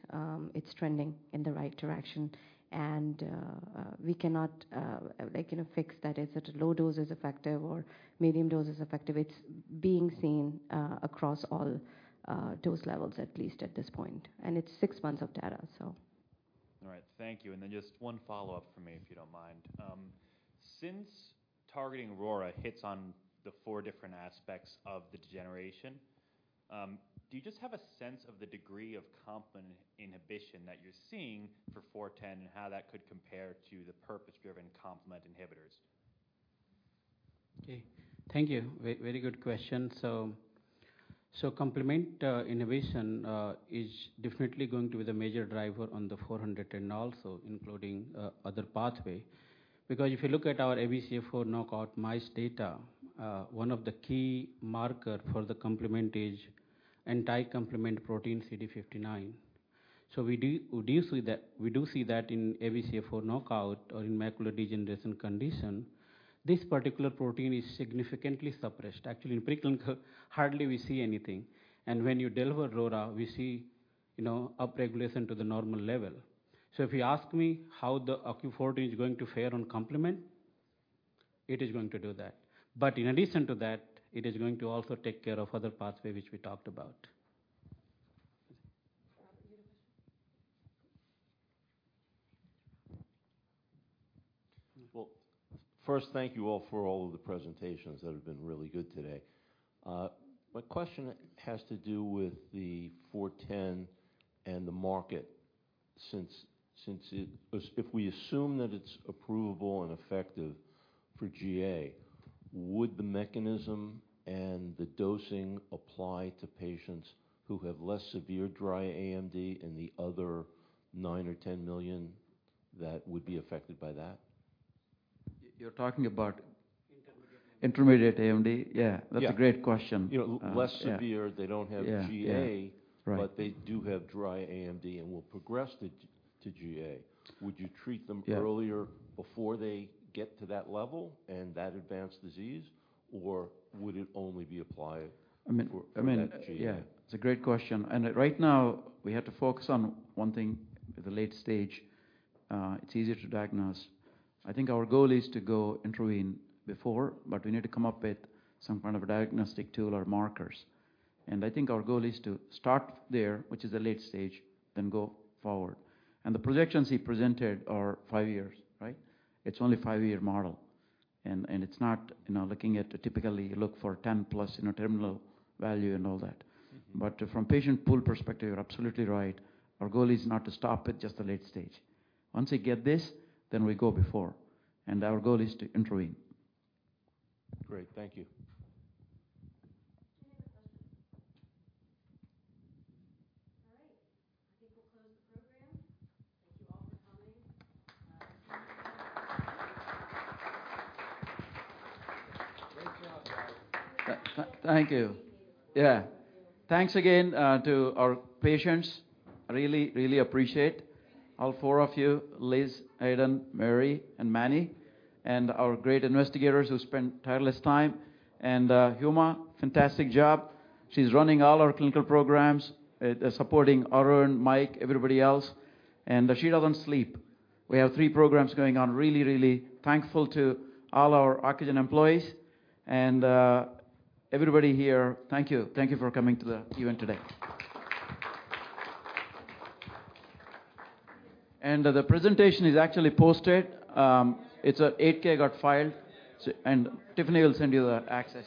it's trending in the right direction. And, we cannot, like, you know, fix that it's at a low dose is effective or medium dose is effective. It's being seen, across all, dose levels at least at this point. And it's six months of data, so. All right. Thank you. And then just one follow-up for me if you don't mind. Since targeting RORA hits on the four different aspects of the degeneration, do you just have a sense of the degree of complement inhibition that you're seeing for 410 and how that could compare to the purpose-driven complement inhibitors? Okay. Thank you. Very, very good question. So, so complement, inhibition, is definitely going to be the major driver on the 410 also, including, other pathway. Because if you look at our ABCA4 knockout mice data, one of the key marker for the complement is anti-complement protein CD59. So we do see that in ABCA4 knockout or in macular degeneration condition, this particular protein is significantly suppressed. Actually, in preclinical, hardly we see anything. And when you deliver RORA, we see, you know, upregulation to the normal level. So if you ask me how the OCU400 is going to fare on complement, it is going to do that. But in addition to that, it is going to also take care of other pathway which we talked about. Well, first, thank you all for all of the presentations that have been really good today. My question has to do with the 410 and the market since if we assume that it's approvable and effective for GA, would the mechanism and the dosing apply to patients who have less severe dry AMD and the other nine or 10 million that would be affected by that? You're talking about intermediate AMD. Yeah. That's a great question. Yeah. You know, less severe. They don't have GA. Right. But they do have dry AMD and will progress to GA. Would you treat them earlier before they get to that level and that advanced disease, or would it only be applied for that GA? I mean, I mean, yeah. It's a great question. And right now, we have to focus on one thing at the late stage. It's easier to diagnose. I think our goal is to go intervene before, but we need to come up with some kind of a diagnostic tool or markers, and I think our goal is to start there, which is the late stage, then go forward, and the projections he presented are five years, right? It's only a five-year model, and it's not, you know, looking at a typically look for 10+, you know, terminal value and all that, but from a patient pool perspective, you're absolutely right. Our goal is not to stop at just the late stage. Once we get this, then we go before, and our goal is to intervene. Great. Thank you. All right. I think we'll close the program. Thank you all for coming. Thank you. Thank you. Yeah. Thanks again to our patients. Really, really appreciate all four of you, Liz, Adam, Mary, and Manny, and our great investigators who spent tireless time. Huma, fantastic job. She's running all our clinical programs, supporting Arun, Mike, everybody else. She doesn't sleep. We have three programs going on. Really, really thankful to all our Ocugen employees. Everybody here, thank you. Thank you for coming to the event today. The presentation is actually posted. It's an 8-K got filed. Tiffany will send you the access.